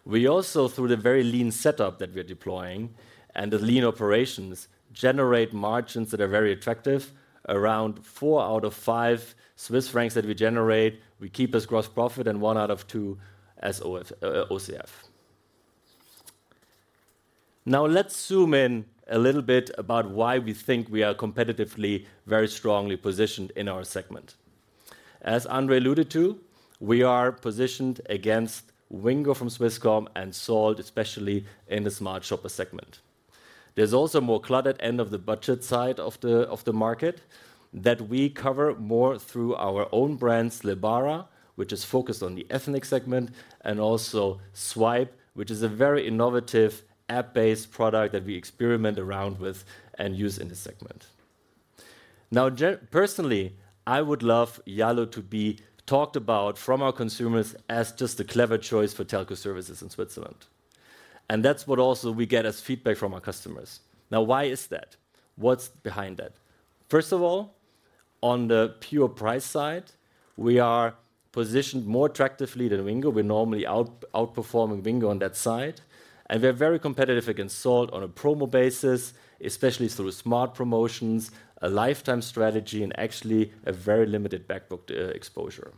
We also, through the very lean setup that we are deploying and the lean operations, generate margins that are very attractive. Around four out of five Swiss francs that we generate, we keep as gross profit and one out of two as OF, OCF. Now, let's zoom in a little bit about why we think we are competitively, very strongly positioned in our segment. As André alluded to, we are positioned against Wingo from Swisscom and Salt, especially in the smart shopper segment. There's also a more cluttered end of the budget side of the market that we cover more through our own brands, Lebara, which is focused on the ethnic segment, and also swype, which is a very innovative app-based product that we experiment around with and use in the segment. Now, personally, I would love Yallo to be talked about from our consumers as just a clever choice for telco services in Switzerland, and that's what also we get as feedback from our customers. Now, why is that? What's behind that? First of all, on the pure price side, we are positioned more attractively than Wingo. We're normally outperforming Wingo on that side, and we're very competitive against Salt on a promo basis, especially through smart promotions, a lifetime strategy, and actually a very limited back book exposure.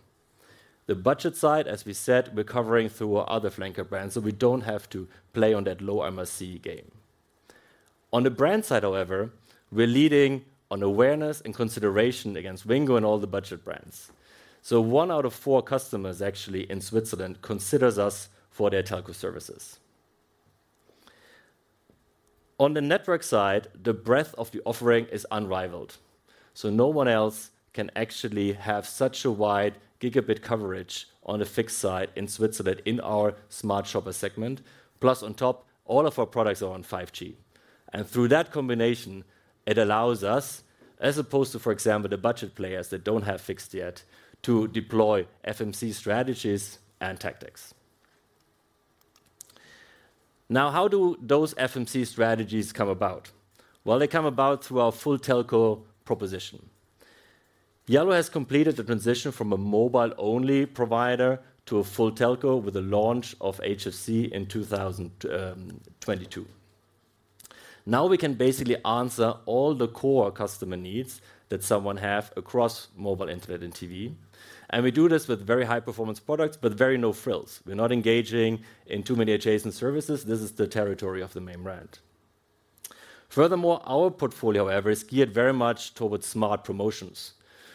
The budget side, flanker brands, so we don't have to play on that low MRC game. On the brand side, however, we're leading on awareness and consideration against Wingo and all the budget brands. So one out of four customers actually in Switzerland considers us for their telco services. On the network side, the breadth of the offering is unrivalled, so no one else can actually have such a wide gigabit coverage on the fixed side in Switzerland, in our smart shopper segment. Plus, on top, all of our products are on 5G, and through that combination, it allows us, as opposed to, for example, the budget players that don't have fixed yet, to deploy FMC strategies and tactics. Now, how do those FMC strategies come about? Well, they come about through our full telco proposition. Yallo has completed the transition from a mobile-only provider to a full telco with the launch of HFC in two thousand twenty-two. Now, we can basically answer all the core customer needs that someone have across mobile, internet, and TV, and we do this with very high-performance products, but very no-frills. We're not engaging in too many adjacent services. This is the territory of the main brand. Furthermore, our portfolio, however, is geared very much towards smart promotions,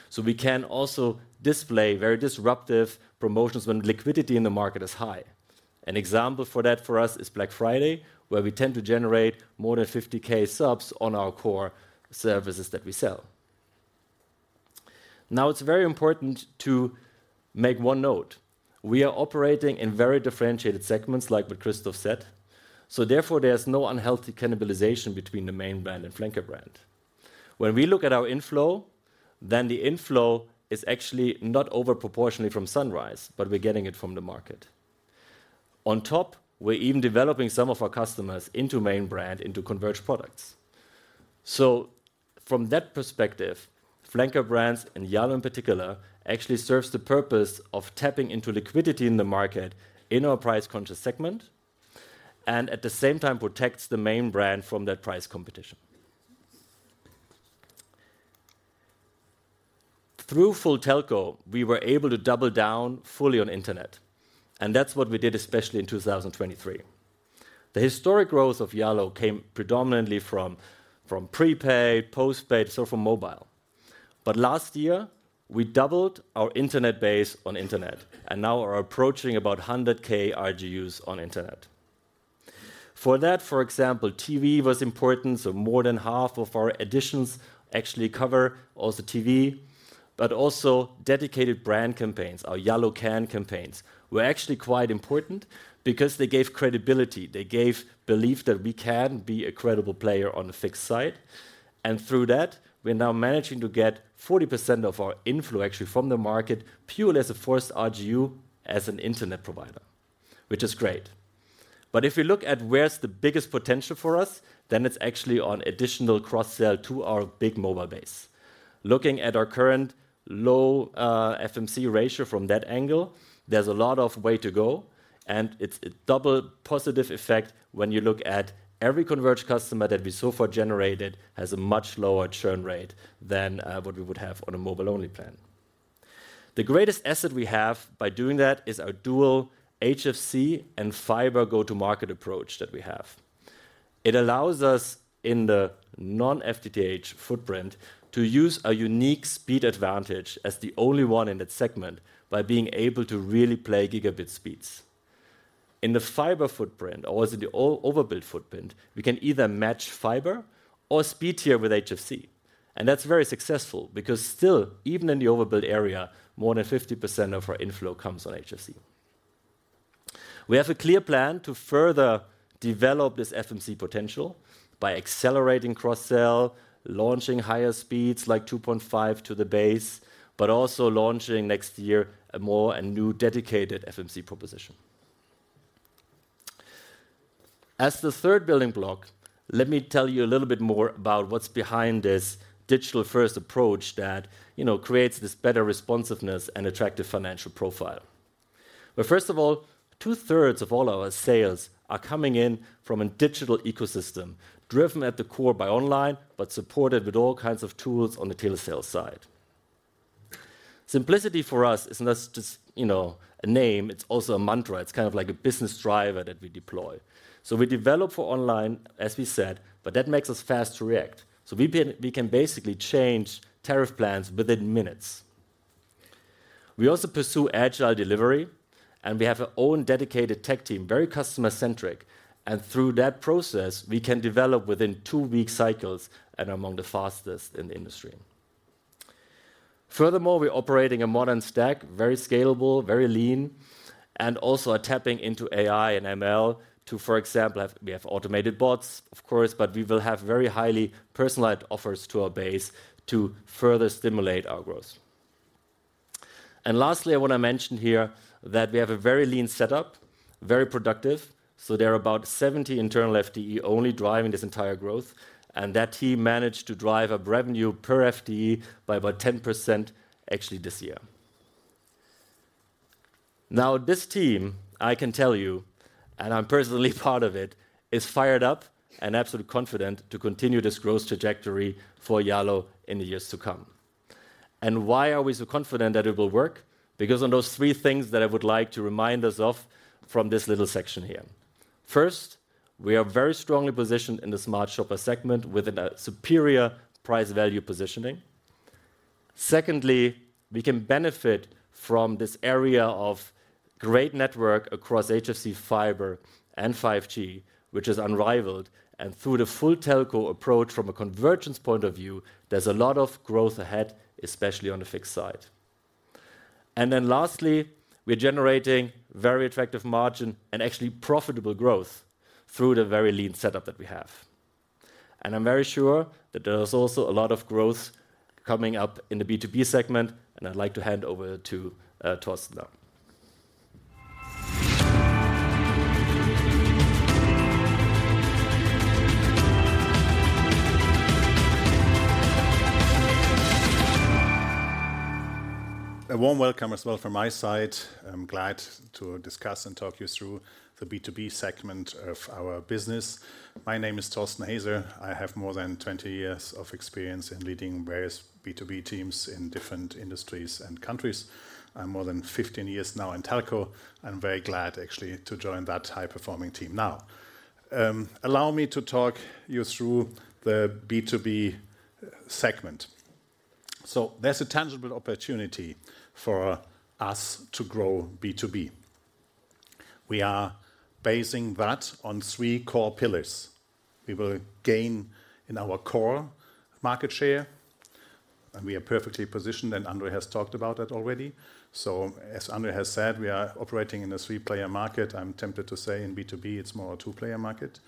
so we can also display very disruptive promotions when liquidity in the market is high. An example for that for us is Black Friday, where we tend to generate more than 50K subs on our core services that we sell. Now, it's very important to make one note: We are operating in very differentiated segments, like what Christoph said, so therefore, there's no unhealthy flanker brand. when we look at our inflow, then the inflow is actually not over proportionally from Sunrise, but we're getting it from the market. On top, we're even developing some of our customers into main flanker brands, and yallo in particular, actually serves the purpose of tapping into liquidity in the market, in our price-conscious segment, and at the same time, protects the main brand from that price competition. Through full telco, we were able to double down fully on internet, and that's what we did, especially in 2023. The historic growth of Yallo came predominantly from prepaid, postpaid, so from mobile. But last year, we doubled our internet base on internet, and now are approaching about hundred K RGUs on internet. For that, for example, TV was important, so more than half of our additions actually cover also TV. But also dedicated brand campaigns. Our Yallo Can campaigns were actually quite important because they gave credibility. They gave belief that we can be a credible player on the fixed side, and through that, we're now managing to get 40% of our inflow actually from the market, purely as a first RGU, as an internet provider, which is great. But if you look at where's the biggest potential for us, then it's actually on additional cross-sell to our big mobile base. Looking at our current low, FMC ratio from that angle, there's a lot of way to go, and it's a double positive effect when you look at every converged customer that we so far generated, has a much lower churn rate than, what we would have on a mobile-only plan. The greatest asset we have by doing that is our dual HFC and fiber go-to-market approach that we have. It allows us, in the non-FTTH footprint, to use a unique speed advantage as the only one in that segment, by being able to really play gigabit speeds. In the fiber footprint or as in the overbuild footprint, we can either match fiber or speed tier with HFC, and that's very successful because still, even in the overbuild area, more than 50% of our inflow comes on HFC. We have a clear plan to further develop this FMC potential by accelerating cross-sell, launching higher speeds like 2.5 to the base, but also launching next year a more and new dedicated FMC proposition. As the third building block, let me tell you a little bit more about what's behind this digital-first approach that, you know, creates this better responsiveness and attractive financial profile. But first of all, two-thirds of all our sales are coming in from a digital ecosystem, driven at the core by online, but supported with all kinds of tools on the telesale side. Simplicity for us is not just, you know, a name, it's also a mantra. It's kind of like a business driver that we deploy, so we develop for online, as we said, but that makes us fast to react, so we can basically change tariff plans within minutes. We also pursue agile delivery, and we have our own dedicated tech team, very customer-centric, and through that process, we can develop within two-week cycles and are among the fastest in the industry. Furthermore, we're operating a modern stack, very scalable, very lean, and also are tapping into AI and ML to, for example, we have automated bots, of course, but we will have very highly personalized offers to our base to further stimulate our growth, and lastly, I want to mention here that we have a very lean setup, very productive. There are about 70 internal FTE only driving this entire growth, and that team managed to drive up revenue per FTE by about 10% actually this year. Now, this team, I can tell you, and I'm personally part of it, is fired up and absolutely confident to continue this growth trajectory for Yallo in the years to come. Why are we so confident that it will work? Because on those three things that I would like to remind us of from this little section here. First, we are very strongly positioned in the smart shopper segment with a superior price-value positioning. Secondly, we can benefit from this area of great network across HFC fiber and 5G, which is unrivalled, and through the full telco approach from a convergence point of view, there's a lot of growth ahead, especially on the fixed side. And then lastly, we're generating very attractive margin and actually profitable growth through the very lean setup that we have. And I'm very sure that there's also a lot of growth coming up in the B2B segment, and I'd like to hand over to Thorsten now. A warm welcome as well from my side. I'm glad to discuss and talk you through the B2B segment of our business. My name is Thorsten Haeser. I have more than twenty years of experience in leading various B2B teams in different industries and countries, and more than fifteen years now in telco, and very glad actually to join that high-performing team now. Allow me to talk you through the B2B segment. So there's a tangible opportunity for us to grow B2B. We are basing that on three core pillars. We will gain in our core market share, and we are perfectly positioned, and André has talked about that already. So as André has said, we are operating in a three-player market. I'm tempted to say in B2B, it's more a two-player market.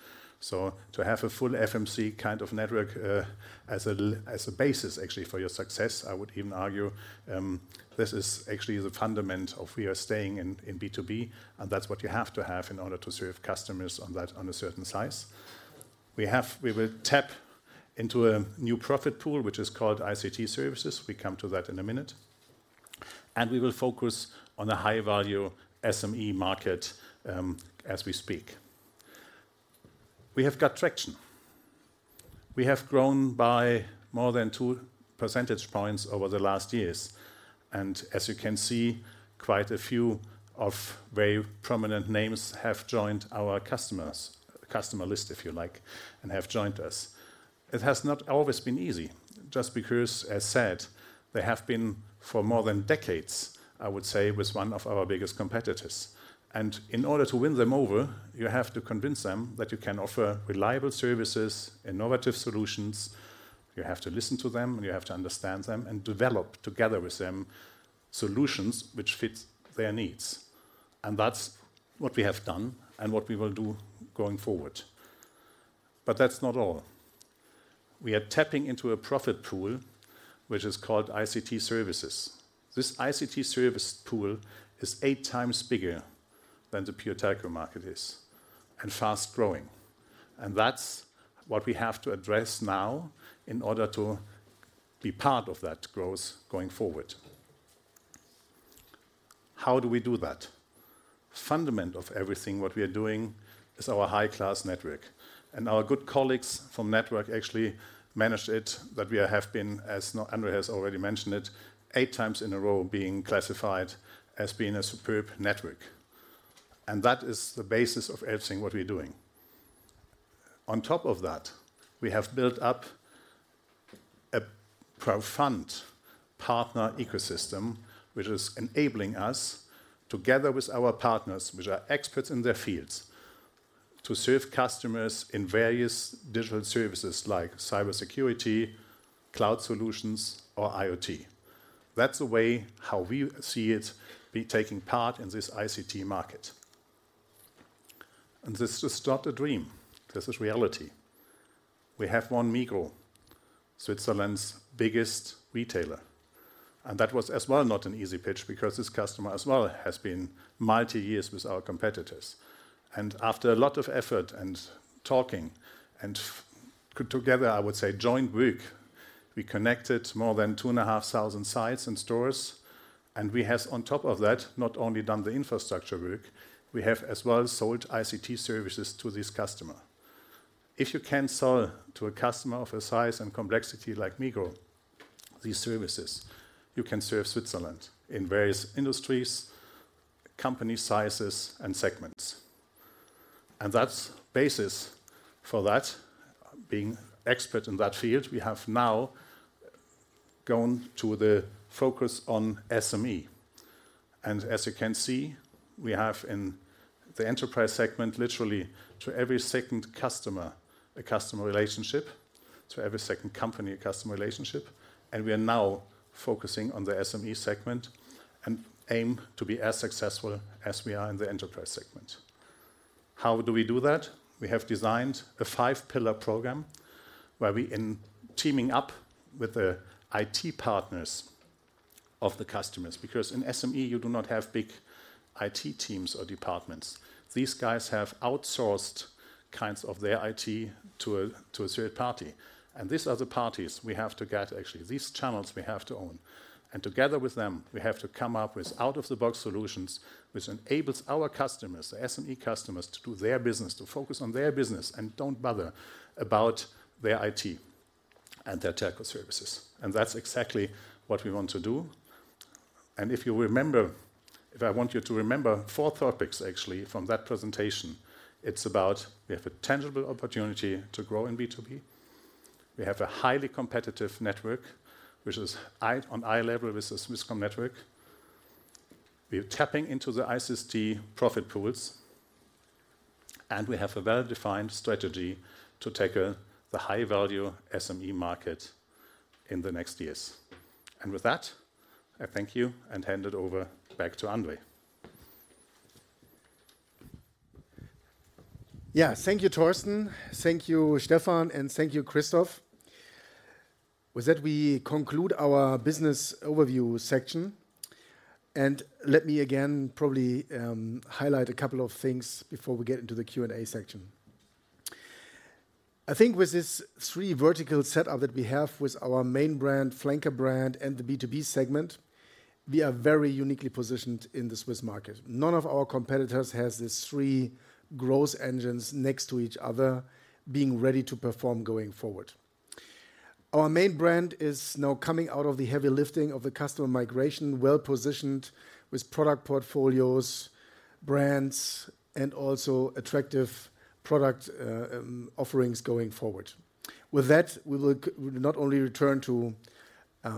So to have a full FMC kind of network, as a basis actually for your success, I would even argue, this is actually the fundament of we are staying in B2B, and that's what you have to have in order to serve customers on that on a certain size. We will tap into a new profit pool, which is called ICT services. We come to that in a minute. And we will focus on the high-value SME market, as we speak. We have got traction. We have grown by more than two percentage points over the last years, and as you can see, quite a few of very prominent names have joined our customer list, if you like, and have joined us. It has not always been easy, just because, as said, they have been for more than decades, I would say, with one of our biggest competitors. And in order to win them over, you have to convince them that you can offer reliable services, innovative solutions, you have to listen to them, and you have to understand them and develop together with them solutions which fits their needs. And that's what we have done and what we will do going forward. But that's not all. We are tapping into a profit pool, which is called ICT services. This ICT service pool is eight times bigger than the pure telco market is, and fast-growing. And that's what we have to address now in order to be part of that growth going forward. How do we do that? fundamental of everything what we are doing is our high-class network, and our good colleagues from network actually managed it, that we have been, as now André has already mentioned it, eight times in a row, being classified as being a superb network, and that is the basis of everything what we're doing. On top of that, we have built up a profound partner ecosystem, which is enabling us, together with our partners, which are experts in their fields, to serve customers in various digital services like cybersecurity, cloud solutions or IoT. That's the way how we see it, by taking part in this ICT market. And this is not a dream, this is reality. We have won Migros, Switzerland's biggest retailer, and that was as well not an easy pitch because this customer as well has been many years with our competitors. After a lot of effort and talking, and working together, I would say, joint work, we connected more than two and a half thousand sites and stores, and we have, on top of that, not only done the infrastructure work, we have as well sold ICT services to this customer. If you can sell to a customer of a size and complexity like Migros, these services, you can serve Switzerland in various industries, company sizes and segments. That's basis for that, being expert in that field, we have now gone to the focus on SME. As you can see, we have in the enterprise segment, literally to every second customer, a customer relationship, to every second company, a customer relationship, and we are now focusing on the SME segment and aim to be as successful as we are in the enterprise segment. How do we do that? We have designed a five-pillar program where we in teaming up with the IT partners of the customers, because in SME you do not have big IT teams or departments. These guys have outsourced kinds of their IT to a third party, and these are the parties we have to get, actually, these channels we have to own. And together with them, we have to come up with out-of-the-box solutions, which enables our customers, the SME customers, to do their business, to focus on their business, and don't bother about their IT and their telco services. And that's exactly what we want to do. And if I want you to remember four topics, actually, from that presentation, it's about: we have a tangible opportunity to grow in B2B. We have a highly competitive network, which is on eye level with Swisscom network. We are tapping into the ICT profit pools, and we have a well-defined strategy to tackle the high-value SME market in the next years, and with that, I thank you and hand it over back to André. Yeah. Thank you, Thorsten. Thank you, Stefan, and thank you, Christoph. With that, we conclude our business overview section, and let me again probably highlight a couple of things before we get into the Q&A section. I think with this three vertical setup that flanker brand, and the b2b segment, we are very uniquely positioned in the Swiss market. None of our competitors has these three growth engines next to each other, being ready to perform going forward. Our main brand is now coming out of the heavy lifting of the customer migration, well-positioned with product portfolios, brands, and also attractive product offerings going forward. With that, we will not only return to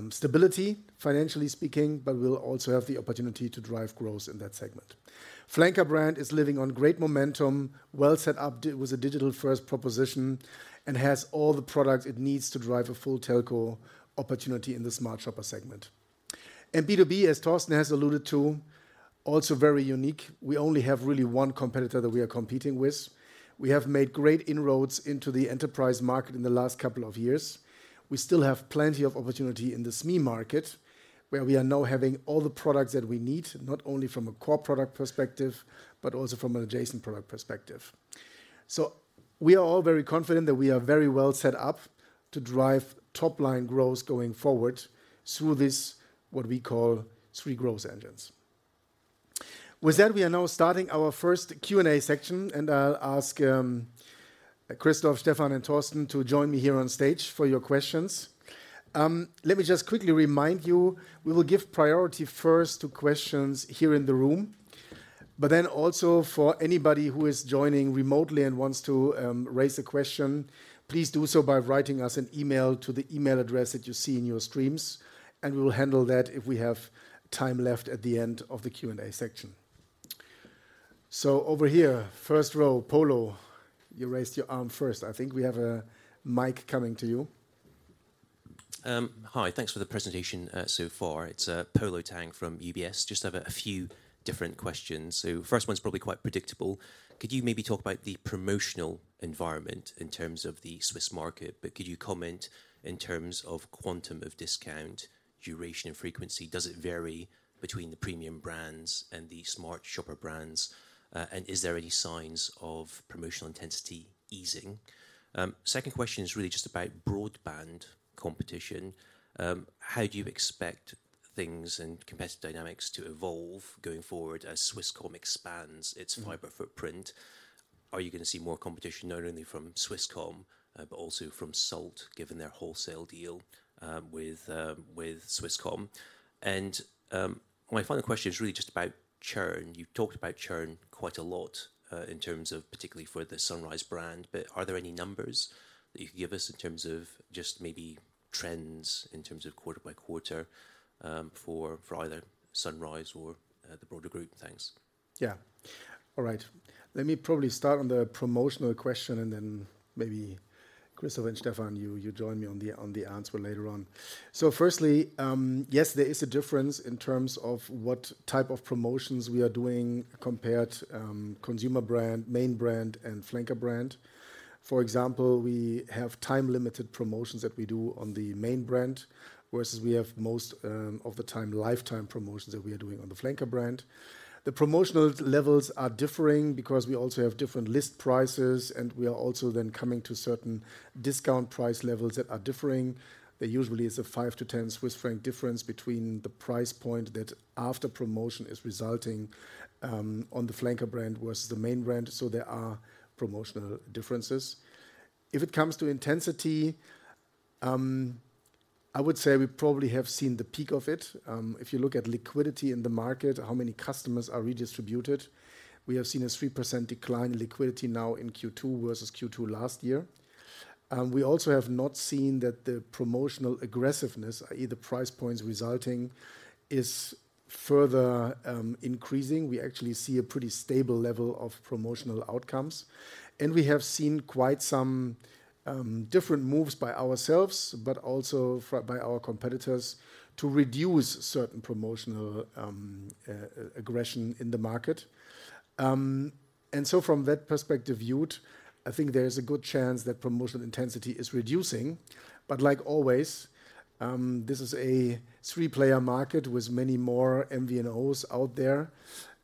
stability, financially speaking, but we will also have the opportunity to drive growth in that segment. flanker brand is living on great momentum, well set up with a digital-first proposition, and has all the products it needs to drive a full telco opportunity in the smart shopper segment. And B2B, as Thorsten has alluded to, also very unique. We only have really one competitor that we are competing with. We have made great inroads into the enterprise market in the last couple of years. We still have plenty of opportunity in the SME market, where we are now having all the products that we need, not only from a core product perspective, but also from an adjacent product perspective. So we are all very confident that we are very well set up to drive top-line growth going forward through this, what we call, three growth engines. With that, we are now starting our first Q&A section, and I'll ask Christoph, Stefan, and Thorsten to join me here on stage for your questions. Let me just quickly remind you, we will give priority first to questions here in the room, but then also for anybody who is joining remotely and wants to raise a question, please do so by writing us an email to the email address that you see in your streams, and we will handle that if we have time left at the end of the Q&A section. So over here, first row, Polo, you raised your arm first. I think we have a mic coming to you. Hi. Thanks for the presentation so far. It's Polo Tang from UBS. Just have a few different questions. So first one's probably quite predictable. Could you maybe talk about the promotional environment in terms of the Swiss market, but could you comment in terms of quantum of discount, duration, and frequency? Does it vary between the premium brands and the smart shopper brands, and is there any signs of promotional intensity easing? Second question is really just about broadband competition. How do you expect things and competitive dynamics to evolve going forward as Swisscom expands its fiber footprint? Are you going to see more competition not only from Swisscom, but also from Salt, given their wholesale deal with Swisscom? And my final question is really just about churn. You've talked about churn quite a lot, in terms of particularly for the Sunrise brand, but are there any numbers that you can give us in terms of just maybe trends, in terms of quarter by quarter, for either Sunrise or the broader group? Thanks. Yeah. All right. Let me probably start on the promotional question, and then maybe Christoph and Stefan, you join me on the answer later on. So firstly, yes, there is a difference in terms of what type of promotions we are doing flanker brand. for example, we have time-limited promotions that we do on the main brand, versus we have, most of the time, lifetime promotions flanker brand. the promotional levels are differing because we also have different list prices, and we are also then coming to certain discount price levels that are differing. They usually is a 5-10 Swiss franc difference between the price point that flanker brand versus the main brand, so there are promotional differences. If it comes to intensity, I would say we probably have seen the peak of it. If you look at liquidity in the market, how many customers are redistributed, we have seen a 3% decline in liquidity now in Q2 versus Q2 last year, and we also have not seen that the promotional aggressiveness, i.e., the price points resulting, is further increasing. We actually see a pretty stable level of promotional outcomes, and we have seen quite some different moves by ourselves, but also by our competitors, to reduce certain promotional aggression in the market, and so from that perspective viewed, I think there is a good chance that promotional intensity is reducing. But like always, this is a three-player market with many more MVNOs out there,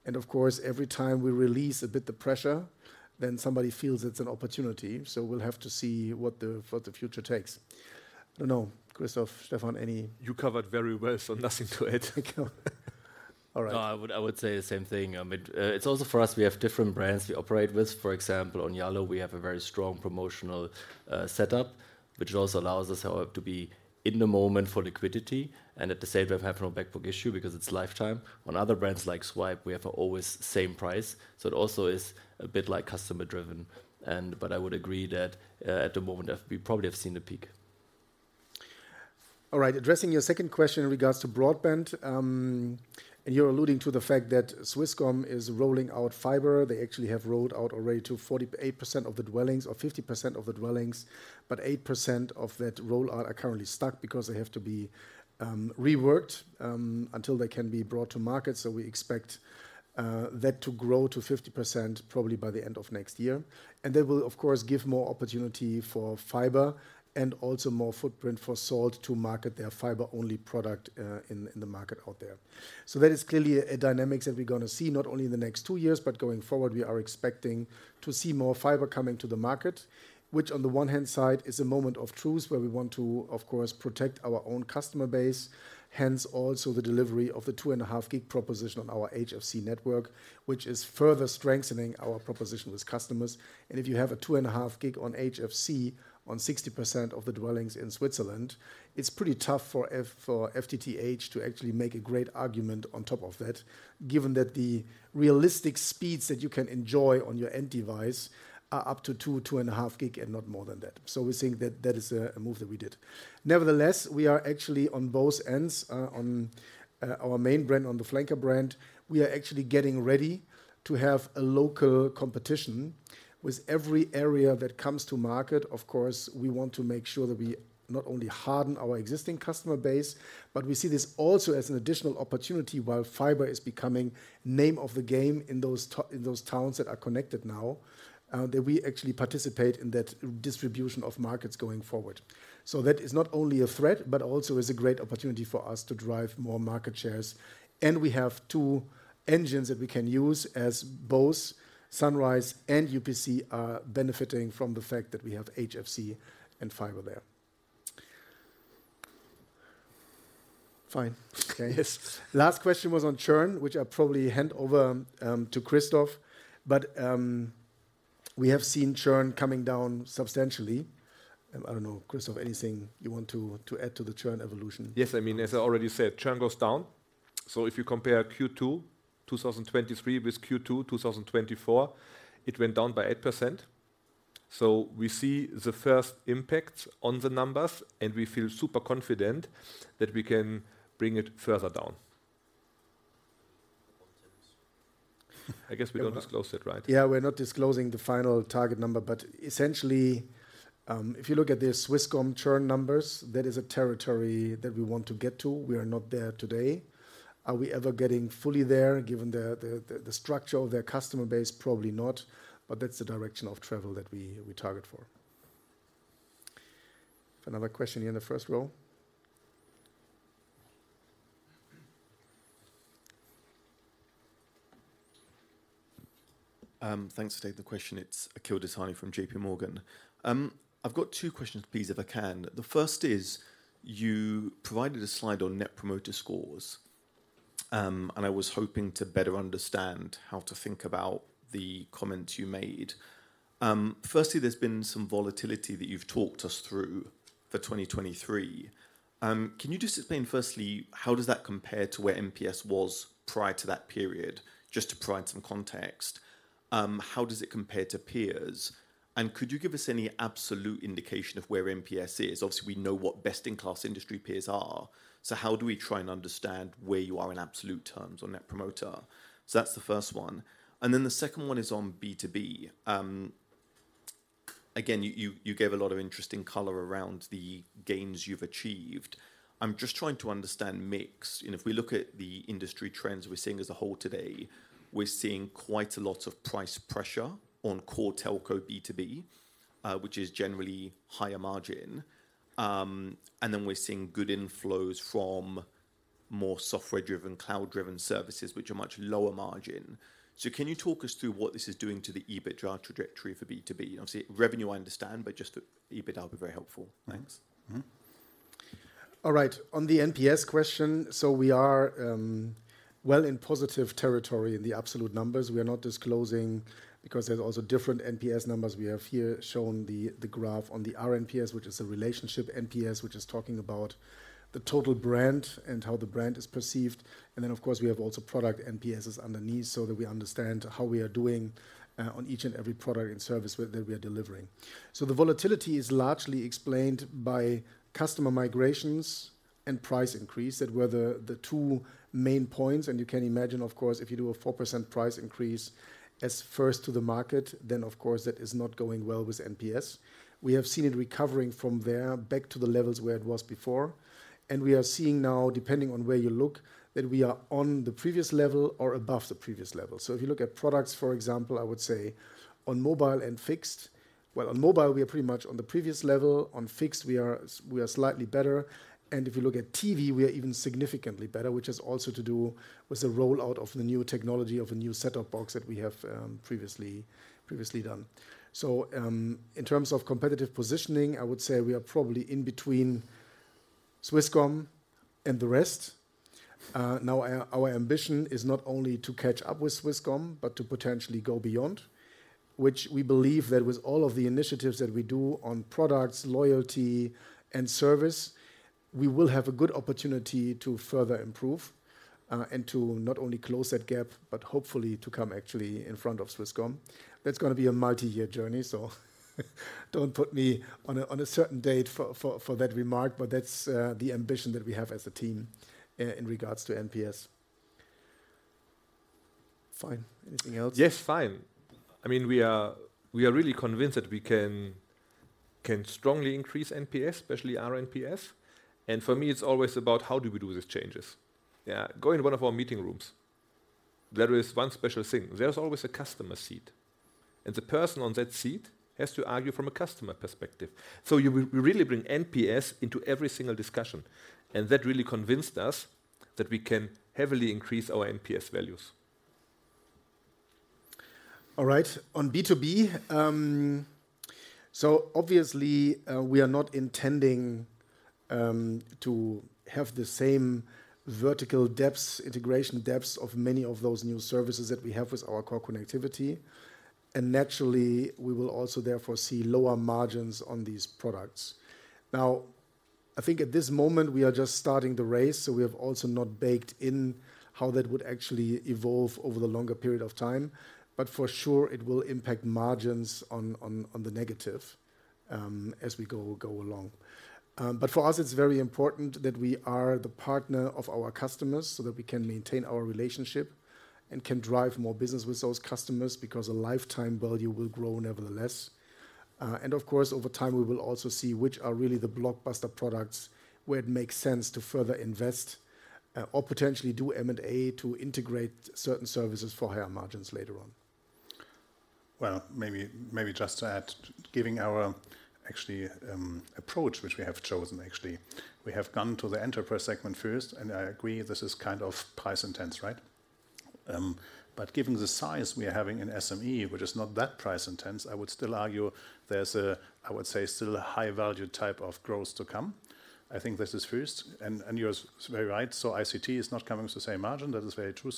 and of course, every time we release a bit the pressure, then somebody feels it's an opportunity. So we'll have to see what the future takes. I don't know. Christoph, Stefan, any- You covered very well, so nothing to add. Okay. All right. No, I would, I would say the same thing. I mean, it's also for us, we have different brands we operate with. For example, on Yallo, we have a very strong promotional setup, which also allows us, however, to be in the moment for liquidity and at the same time have no backbook issue because it's lifetime. On other brands like swype, we have a always same price, so it also is a bit, like, customer-driven. And but I would agree that, at the moment, we probably have seen the peak. All right. Addressing your second question in regards to broadband, and you're alluding to the fact that Swisscom is rolling out fiber. They actually have rolled out already to 48% of the dwellings or 50% of the dwellings, but 8% of that rollout are currently stuck because they have to be reworked until they can be brought to market. So we expect that to grow to 50% probably by the end of next year. And that will, of course, give more opportunity for fiber and also more footprint for Salt to market their fiber-only product in the market out there. So that is clearly a dynamic that we're gonna see not only in the next two years, but going forward. We are expecting to see more fiber coming to the market, which on the one hand side is a moment of truth, where we want to, of course, protect our own customer base. Hence, also the delivery of the two and a half gig proposition on our HFC network, which is further strengthening our proposition with customers. And if you have a two and a half gig on HFC on 60% of the dwellings in Switzerland, it's pretty tough for FTTH to actually make a great argument on top of that, given that the realistic speeds that you can enjoy on your end device are up to two and a half gig and not more than that. We think that that is a move that we did. Nevertheless, we are actually on both ends, flanker brand, we are actually getting ready to have a local competition. With every area that comes to market, of course, we want to make sure that we not only harden our existing customer base, but we see this also as an additional opportunity while fiber is becoming the name of the game in those towns that are connected now, that we actually participate in that distribution of markets going forward. That is not only a threat, but also is a great opportunity for us to drive more market shares. We have two engines that we can use as both Sunrise and UPC are benefiting from the fact that we have HFC and fiber there. Fine. Okay, yes. Last question was on churn, which I'll probably hand over to Christoph. But we have seen churn coming down substantially. I don't know, Christoph, anything you want to add to the churn evolution? Yes, I mean, as I already said, churn goes down. So if you compare Q2, 2023 with Q2, 2024, it went down by 8%. So we see the first impact on the numbers, and we feel super confident that we can bring it further down. I guess we don't disclose that, right? Yeah, we're not disclosing the final target number, but essentially, if you look at the Swisscom churn numbers, that is a territory that we want to get to. We are not there today. Are we ever getting fully there, given the structure of their customer base? Probably not. But that's the direction of travel that we target for. Another question here in the first row. Thanks for taking the question. It's Akhil Dattani from J.P. Morgan. I've got two questions, please, if I can. The first is, you provided a slide on net promoter scores. And I was hoping to better understand how to think about the comments you made. Firstly, there's been some volatility that you've talked us through for twenty twenty-three. Can you just explain, firstly, how does that compare to where NPS was prior to that period? Just to provide some context. How does it compare to peers? And could you give us any absolute indication of where NPS is? Obviously, we know what best-in-class industry peers are. So how do we try and understand where you are in absolute terms on net promoter? So that's the first one. And then the second one is on B2B. Again, you gave a lot of interesting color around the gains you've achieved. I'm just trying to understand mix. You know, if we look at the industry trends we're seeing as a whole today, we're seeing quite a lot of price pressure on core telco B2B, which is generally higher margin. And then we're seeing good inflows from more software-driven, cloud-driven services, which are much lower margin. So can you talk us through what this is doing to the EBITDA trajectory for B2B? Obviously, revenue, I understand, but just the EBITDA will be very helpful. Thanks. Mm-hmm. All right. On the NPS question, so we are well in positive territory in the absolute numbers. We are not disclosing because there's also different NPS numbers. We have here shown the graph on the rNPS, which is a relationship NPS, which is talking about the total brand and how the brand is perceived. And then, of course, we have also product NPSs underneath so that we understand how we are doing on each and every product and service that we are delivering. So the volatility is largely explained by customer migrations and price increase. That were the two main points, and you can imagine, of course, if you do a 4% price increase as first to the market, then of course, that is not going well with NPS. We have seen it recovering from there back to the levels where it was before, and we are seeing now, depending on where you look, that we are on the previous level or above the previous level. So if you look at products, for example, I would say on mobile and fixed. Well, on mobile, we are pretty much on the previous level. On fixed, we are slightly better, and if you look at TV, we are even significantly better, which has also to do with the rollout of the new technology, of a new set-top box that we have previously done. So, in terms of competitive positioning, I would say we are probably in between Swisscom and the rest. Now, our ambition is not only to catch up with Swisscom but to potentially go beyond, which we believe that with all of the initiatives that we do on products, loyalty, and service, we will have a good opportunity to further improve, and to not only close that gap, but hopefully to come actually in front of Swisscom. That's gonna be a multi-year journey, so don't put me on a certain date for that remark, but that's the ambition that we have as a team in regards to NPS. Fine. Anything else? Yes, fine. I mean, we are really convinced that we can strongly increase NPS, especially rNPS. For me, it's always about how do we do these changes? Yeah, go in one of our meeting rooms. There is one special thing: there's always a customer seat, and the person on that seat has to argue from a customer perspective. So we really bring NPS into every single discussion, and that really convinced us that we can heavily increase our NPS values. All right. On B2B, so obviously, we are not intending to have the same vertical depth, integration depth of many of those new services that we have with our core connectivity. And naturally, we will also therefore see lower margins on these products. Now, I think at this moment we are just starting the race, so we have also not baked in how that would actually evolve over the longer period of time. But for sure, it will impact margins on the negative, as we go along. But for us, it's very important that we are the partner of our customers so that we can maintain our relationship and can drive more business with those customers because a lifetime value will grow nevertheless. And of course, over time, we will also see which are really the blockbuster products, where it makes sense to further invest, or potentially do M&A to integrate certain services for higher margins later on. Maybe, maybe just to add, given our actual approach, which we have chosen, actually. We have gone to the enterprise segment first, and I agree, this is kind of price intense, right? But given the size we are having in SME, which is not that price intense, I would still argue there's a, I would say, still a high-value type of growth to come. I think this is first, and you're so very right, so ICT is not coming with the same margin. That is very true,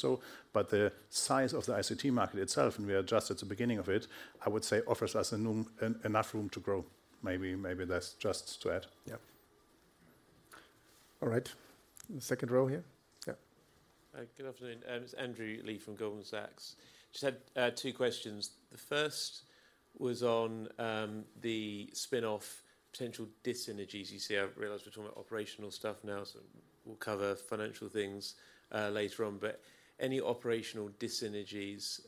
but the size of the ICT market itself, and we are just at the beginning of it, I would say, offers us enough room to grow. Maybe that's just to add. Yep. All right. Second row here. Yeah. Good afternoon. It's Andrew Lee from Goldman Sachs. Just had two questions. The first was on the spin-off potential dis-synergies you see. I realize we're talking about operational stuff now, so we'll cover financial things later on. But any operational dis-synergies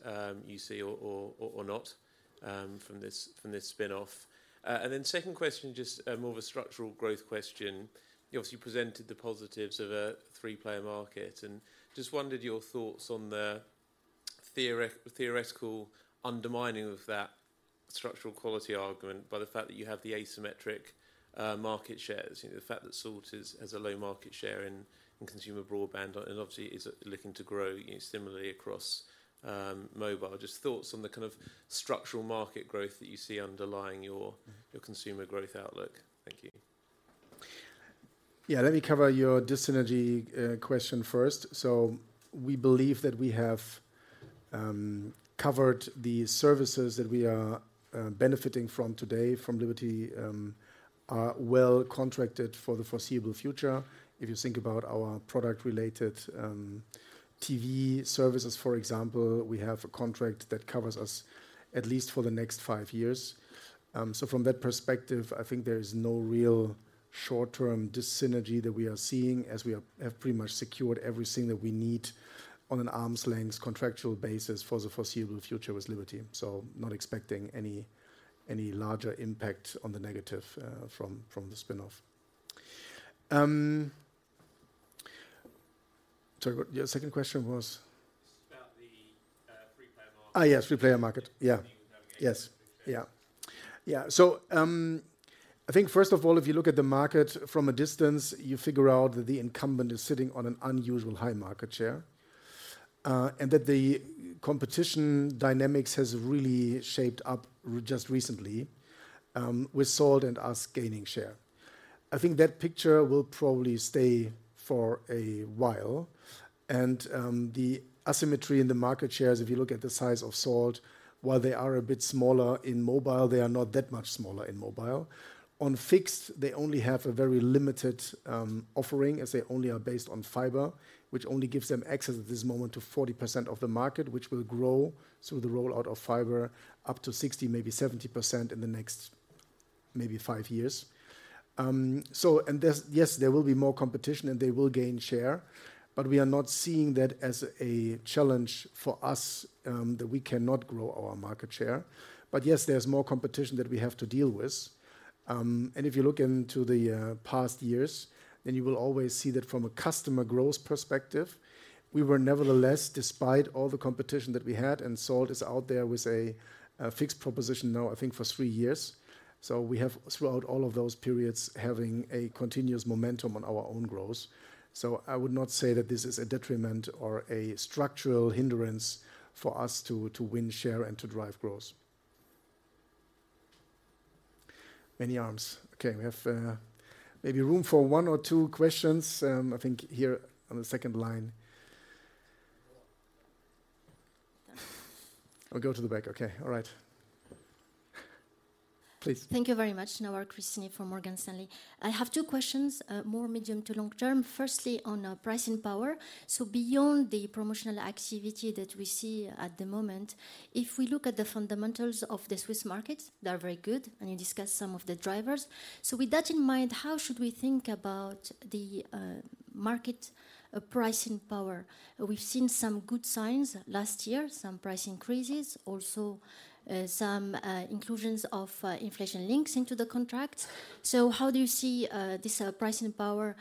you see or not from this spin-off? And then second question, just more of a structural growth question. You obviously presented the positives of a three-player market, and just wondered your thoughts on the theoretical undermining of that structural quality argument by the fact that you have the asymmetric market shares. You know, the fact that Salt has a low market share in consumer broadband and obviously is looking to grow, you know, similarly across mobile. Just thoughts on the kind of structural market growth that you see underlying your- Mm-hmm... your consumer growth outlook. Thank you. Yeah, let me cover your dis-synergy question first. So we believe that we have covered the services that we are benefiting from today, from Liberty, are well contracted for the foreseeable future. If you think about our product-related TV services, for example, we have a contract that covers us at least for the next five years. So from that perspective, I think there is no real short-term dis-synergy that we are seeing, as we have pretty much secured everything that we need on an arm's length contractual basis for the foreseeable future with Liberty. So not expecting any larger impact on the negative from the spin-off. Sorry, what your second question was? It's about the three-player market. Ah, yes, three-player market. How you navigate- Yeah. Yes. Yeah. Yeah, so, I think first of all, if you look at the market from a distance, you figure out that the incumbent is sitting on an unusual high market share, and that the competition dynamics has really shaped up just recently, with Salt and us gaining share. I think that picture will probably stay for a while. The asymmetry in the market shares, if you look at the size of Salt, while they are a bit smaller in mobile, they are not that much smaller in mobile. On fixed, they only have a very limited offering, as they only are based on fiber, which only gives them access at this moment to 40% of the market, which will grow through the rollout of fiber up to 60%, maybe 70% in the next maybe five years. Yes, there will be more competition, and they will gain share, but we are not seeing that as a challenge for us that we cannot grow our market share. But yes, there's more competition that we have to deal with. If you look into the past years, then you will always see that from a customer growth perspective, we were nevertheless, despite all the competition that we had, and Salt is out there with a fixed proposition now, I think, for three years. We have, throughout all of those periods, having a continuous momentum on our own growth. I would not say that this is a detriment or a structural hindrance for us to win share and to drive growth. Any more. Okay, we have maybe room for one or two questions. I think here on the second line. I'll go to the back. Okay. All right. Please. Thank you very much. Nawar Cristini from Morgan Stanley. I have two questions, more medium to long term. Firstly, on pricing power. So beyond the promotional activity that we see at the moment, if we look at the fundamentals of the Swiss market, they are very good, and you discussed some of the drivers. So with that in mind, how should we think about the market pricing power? We've seen some good signs last year, some price increases, also some inclusions of inflation links into the contract. So how do you see this pricing power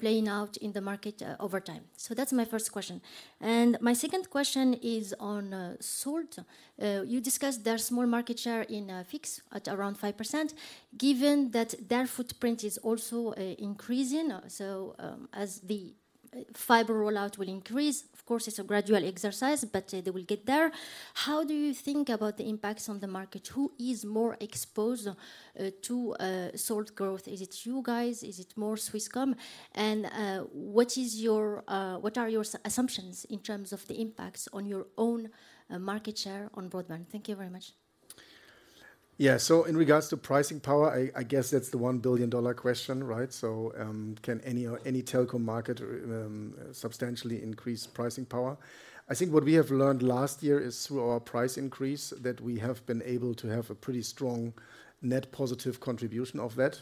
playing out in the market over time? So that's my first question. And my second question is on Salt. You discussed their small market share in fixed at around 5%. Given that their footprint is also increasing, so, as the fiber rollout will increase, of course, it's a gradual exercise, but, they will get there. How do you think about the impacts on the market? Who is more exposed to Salt growth? Is it you guys? Is it more Swisscom? And, what is your... What are your assumptions in terms of the impacts on your own market share on broadband? Thank you very much. Yeah. In regards to pricing power, I, I guess that's the one billion dollar question, right? Can any or any telco market substantially increase pricing power? I think what we have learned last year is through our price increase, that we have been able to have a pretty strong net positive contribution of that.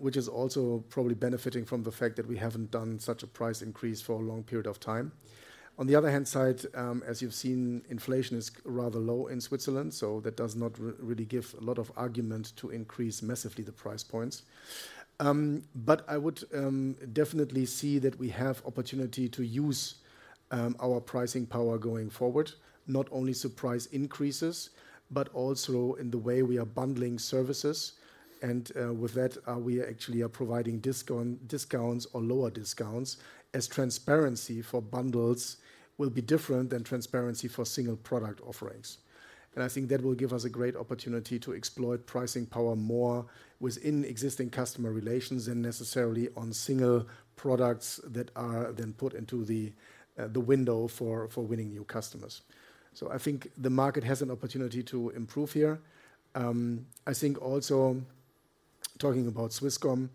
Which is also probably benefiting from the fact that we haven't done such a price increase for a long period of time. On the other hand side, as you've seen, inflation is rather low in Switzerland, so that does not really give a lot of argument to increase massively the price points. But I would definitely see that we have opportunity to use our pricing power going forward, not only through price increases, but also in the way we are bundling services. With that, we actually are providing discounts or lower discounts, as transparency for bundles will be different than transparency for single product offerings. I think that will give us a great opportunity to exploit pricing power more within existing customer relations than necessarily on single products that are then put into the window for winning new customers. So I think the market has an opportunity to improve here. I think, talking about Swisscom,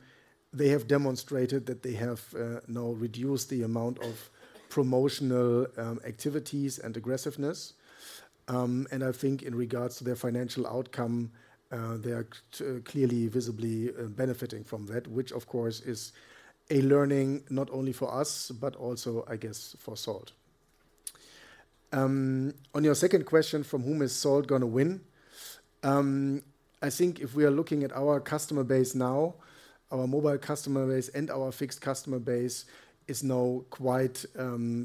they have demonstrated that they have now reduced the amount of promotional activities and aggressiveness. And I think in regards to their financial outcome, they are clearly, visibly, benefiting from that, which of course, is a learning not only for us, but also I guess for Salt. On your second question, from whom is Salt gonna win? I think if we are looking at our customer base now, our mobile customer base and our fixed customer base is now quite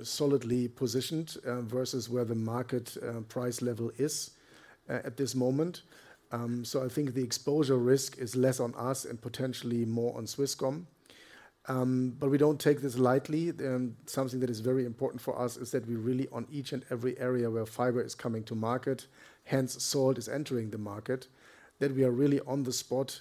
solidly positioned versus where the market price level is at this moment. So I think the exposure risk is less on us and potentially more on Swisscom. But we don't take this lightly. Something that is very important for us is that we really, on each and every area where fiber is coming to market, hence Salt is entering the market, that we are really on the spot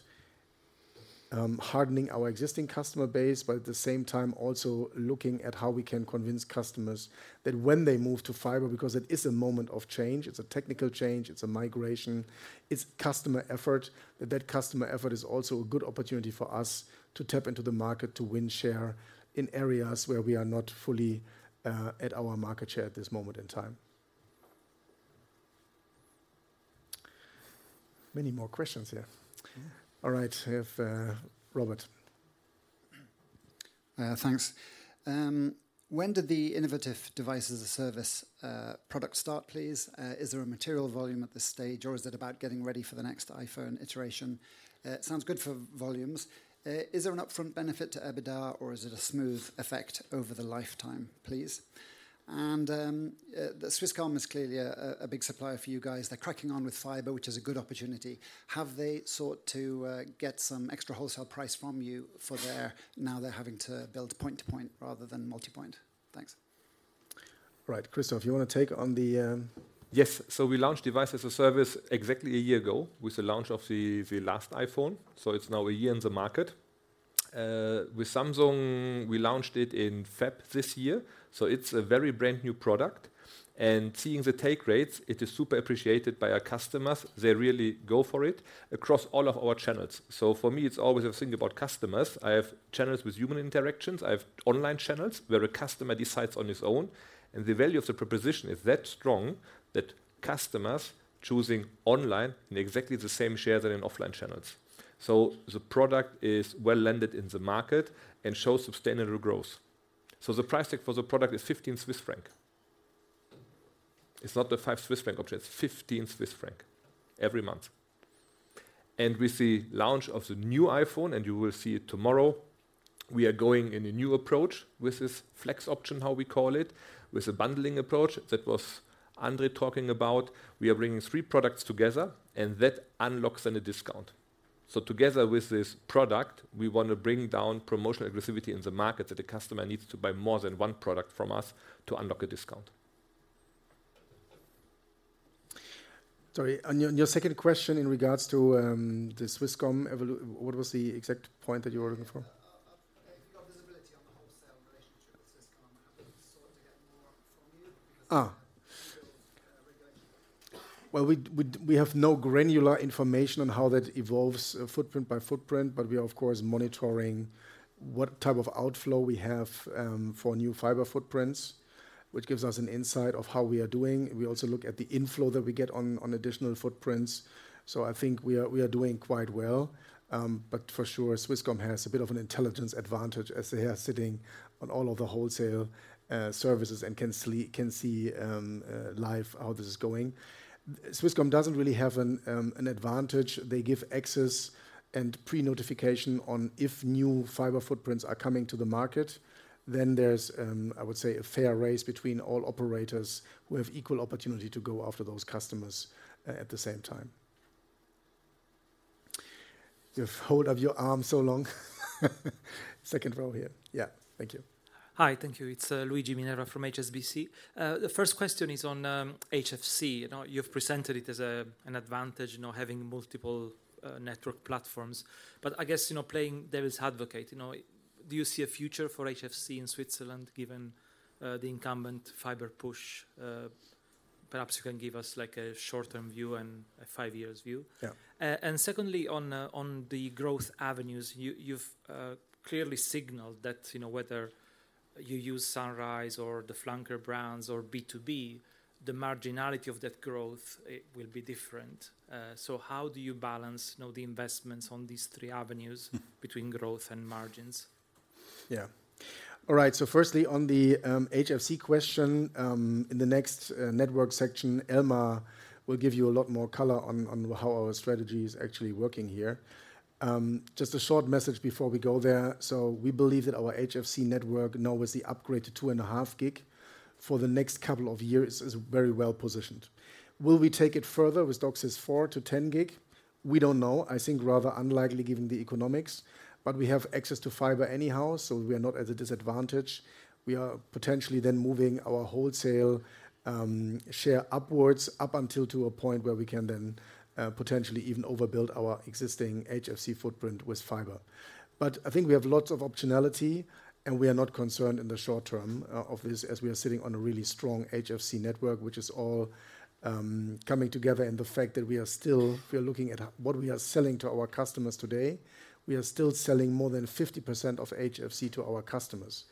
hardening our existing customer base, but at the same time, also looking at how we can convince customers that when they move to fiber, because it is a moment of change, it's a technical change, it's a migration, it's customer effort. That customer effort is also a good opportunity for us to tap into the market, to win share in areas where we are not fully at our market share at this moment in time. Many more questions here. All right, we have Robert. Thanks. When Device as a Service product start, please? Is there a material volume at this stage, or is it about getting ready for the next iPhone iteration? It sounds good for volumes. Is there an upfront benefit to EBITDA, or is it a smooth effect over the lifetime, please? And the Swisscom is clearly a big supplier for you guys. They're cracking on with fiber, which is a good opportunity. Have they sought to get some extra wholesale price from you for their now they're having to build point-to-point rather than multi-point? Thanks. Right. Christoph, you wanna take on the, Yes. Device as a Service exactly a year ago with the launch of the last iPhone. So it's now a year in the market. With Samsung, we launched it in February this year, so it's a very brand-new product. And seeing the take rates, it is super appreciated by our customers. They really go for it across all of our channels. So for me, it's always a thing about customers. I have channels with human interactions, I have online channels, where a customer decides on his own. And the value of the proposition is that strong that customers choosing online in exactly the same share than in offline channels. So the product is well landed in the market and shows sustainable growth. So the price tag for the product is 15 Swiss franc. It's not the 5 Swiss franc option, it's 15 Swiss franc every month. And with the launch of the new iPhone, and you will see it tomorrow, we are going in a new approach with this Flex option, how we call it, with a bundling approach that was André talking about. We are bringing three products together, and that unlocks then a discount. So together with this product, we wanna bring down promotional aggressivity in the market, that the customer needs to buy more than one product from us to unlock a discount. Sorry, on your second question in regards to the Swisscom evolu- what was the exact point that you were looking for? If you got visibility on the wholesale relationship with Swisscom, have they sought to get more from you because? Ah! -of regulation? We have no granular information on how that evolves, footprint by footprint, but we are of course monitoring what type of outflow we have for new fiber footprints, which gives us an insight of how we are doing. We also look at the inflow that we get on additional footprints. So I think we are doing quite well. But for sure, Swisscom has a bit of an intelligence advantage as they are sitting on all of the wholesale services and can see live how this is going. Swisscom doesn't really have an advantage. They give access and pre-notification on if new fiber footprints are coming to the market, then there's, I would say, a fair race between all operators who have equal opportunity to go after those customers at the same time. You've held up your arm so long. Second row here. Yeah. Thank you. Hi. Thank you. It's Luigi Minerva from HSBC. The first question is on HFC. You know, you've presented it as an advantage, you know, having multiple network platforms. But I guess, you know, playing devil's advocate, you know, do you see a future for HFC in Switzerland, given the incumbent fiber push? Perhaps you can give us, like, a short-term view and a five years view. Yeah. And secondly, on the growth avenues, you've clearly signaled that, flanker brands or b2b, the marginality of that growth, it will be different. So how do you balance, you know, the investments on these three avenues between growth and margins? Yeah. All right. So firstly, on the HFC question, in the next network section, Elmar will give you a lot more color on how our strategy is actually working here. Just a short message before we go there. So we believe that our HFC network, now with the upgraded two and a half gig, for the next couple of years is very well positioned. Will we take it further with DOCSIS 4 to 10 gig? We don't know. I think rather unlikely, given the economics, but we have access to fiber anyhow, so we are not at a disadvantage. We are potentially then moving our wholesale share upwards, up until to a point where we can then potentially even overbuild our existing HFC footprint with fiber. But I think we have lots of optionality, and we are not concerned in the short term, obviously, as we are sitting on a really strong HFC network, which is all coming together, and the fact that we are still looking at what we are selling to our customers today. We are still selling more than 50% of HFC to our customers,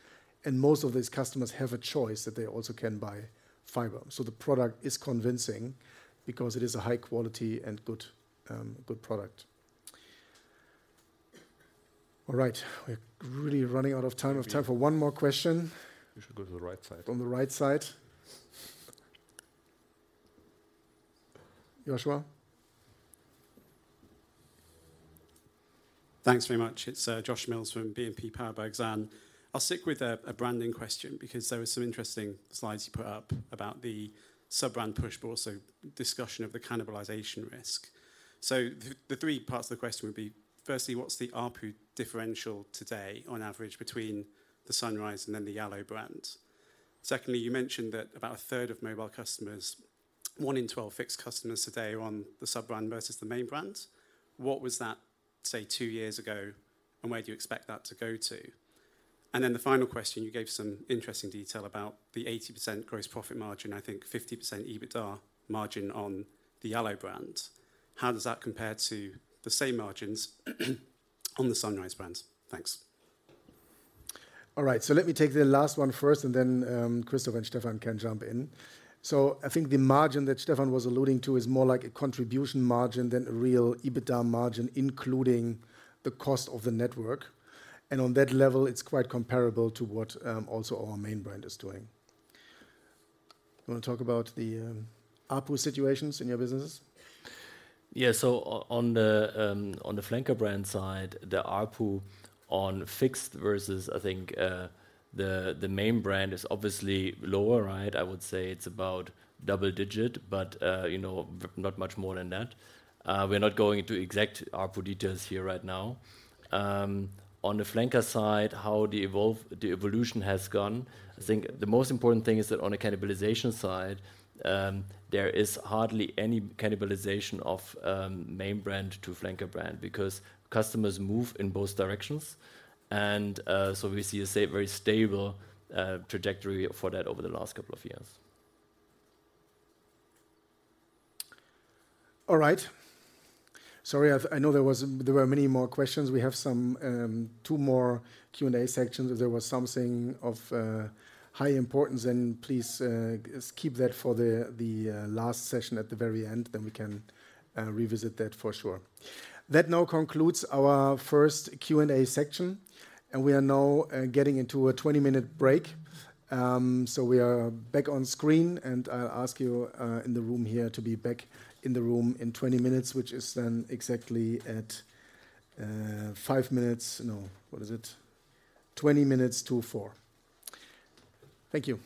and most of these customers have a choice that they also can buy fiber. So the product is convincing because it is a high quality and good product. All right, we're really running out of time. We have time for one more question. You should go to the right side. On the right side. Joshua? Thanks very much. It's Josh Mills from BNP Paribas Exane. I'll stick with a branding question because there were some interesting slides you put up about the sub-brand push, but also discussion of the cannibalization risk. So the three parts of the question would be: firstly, what's the ARPU differential today on average between the Sunrise and then the Yallo brand? Secondly, you mentioned that about a third of mobile customers, one in twelve fixed customers today are on the sub-brand versus the main brand. What was that, say, two years ago, and where do you expect that to go to? And then the final question, you gave some interesting detail about the 80% gross profit margin, I think 50% EBITDA margin on the Yallo brand. How does that compare to the same margins on the Sunrise brand? Thanks. All right, so let me take the last one first, and then, Christoph and Stefan can jump in. So I think the margin that Stefan was alluding to is more like a contribution margin than a real EBITDA margin, including the cost of the network. And on that level, it's quite comparable to what, also our main brand is doing. You want to talk about the, ARPU situations in your businesses? flanker brand side, the arpu on fixed versus, I think, the main brand is obviously lower, right? I would say it's about double digit, but you know, not much more than that. We're not going into exact ARPU details here right now. On the flanker side, how the evolution has gone, I think the most important thing is that on a cannibalization side, there is hardly flanker brand, because customers move in both directions. And so we see a very stable trajectory for that over the last couple of years. All right. Sorry, I know there were many more questions. We have some two more Q&A sections. If there was something of high importance, then please keep that for the last session at the very end, then we can revisit that for sure. That now concludes our first Q&A section, and we are now getting into a twenty-minute break. So we are back on screen, and I'll ask you in the room here to be back in the room in twenty minutes, which is then exactly at five minutes. No. What is it? Twenty minutes to four. Thank you.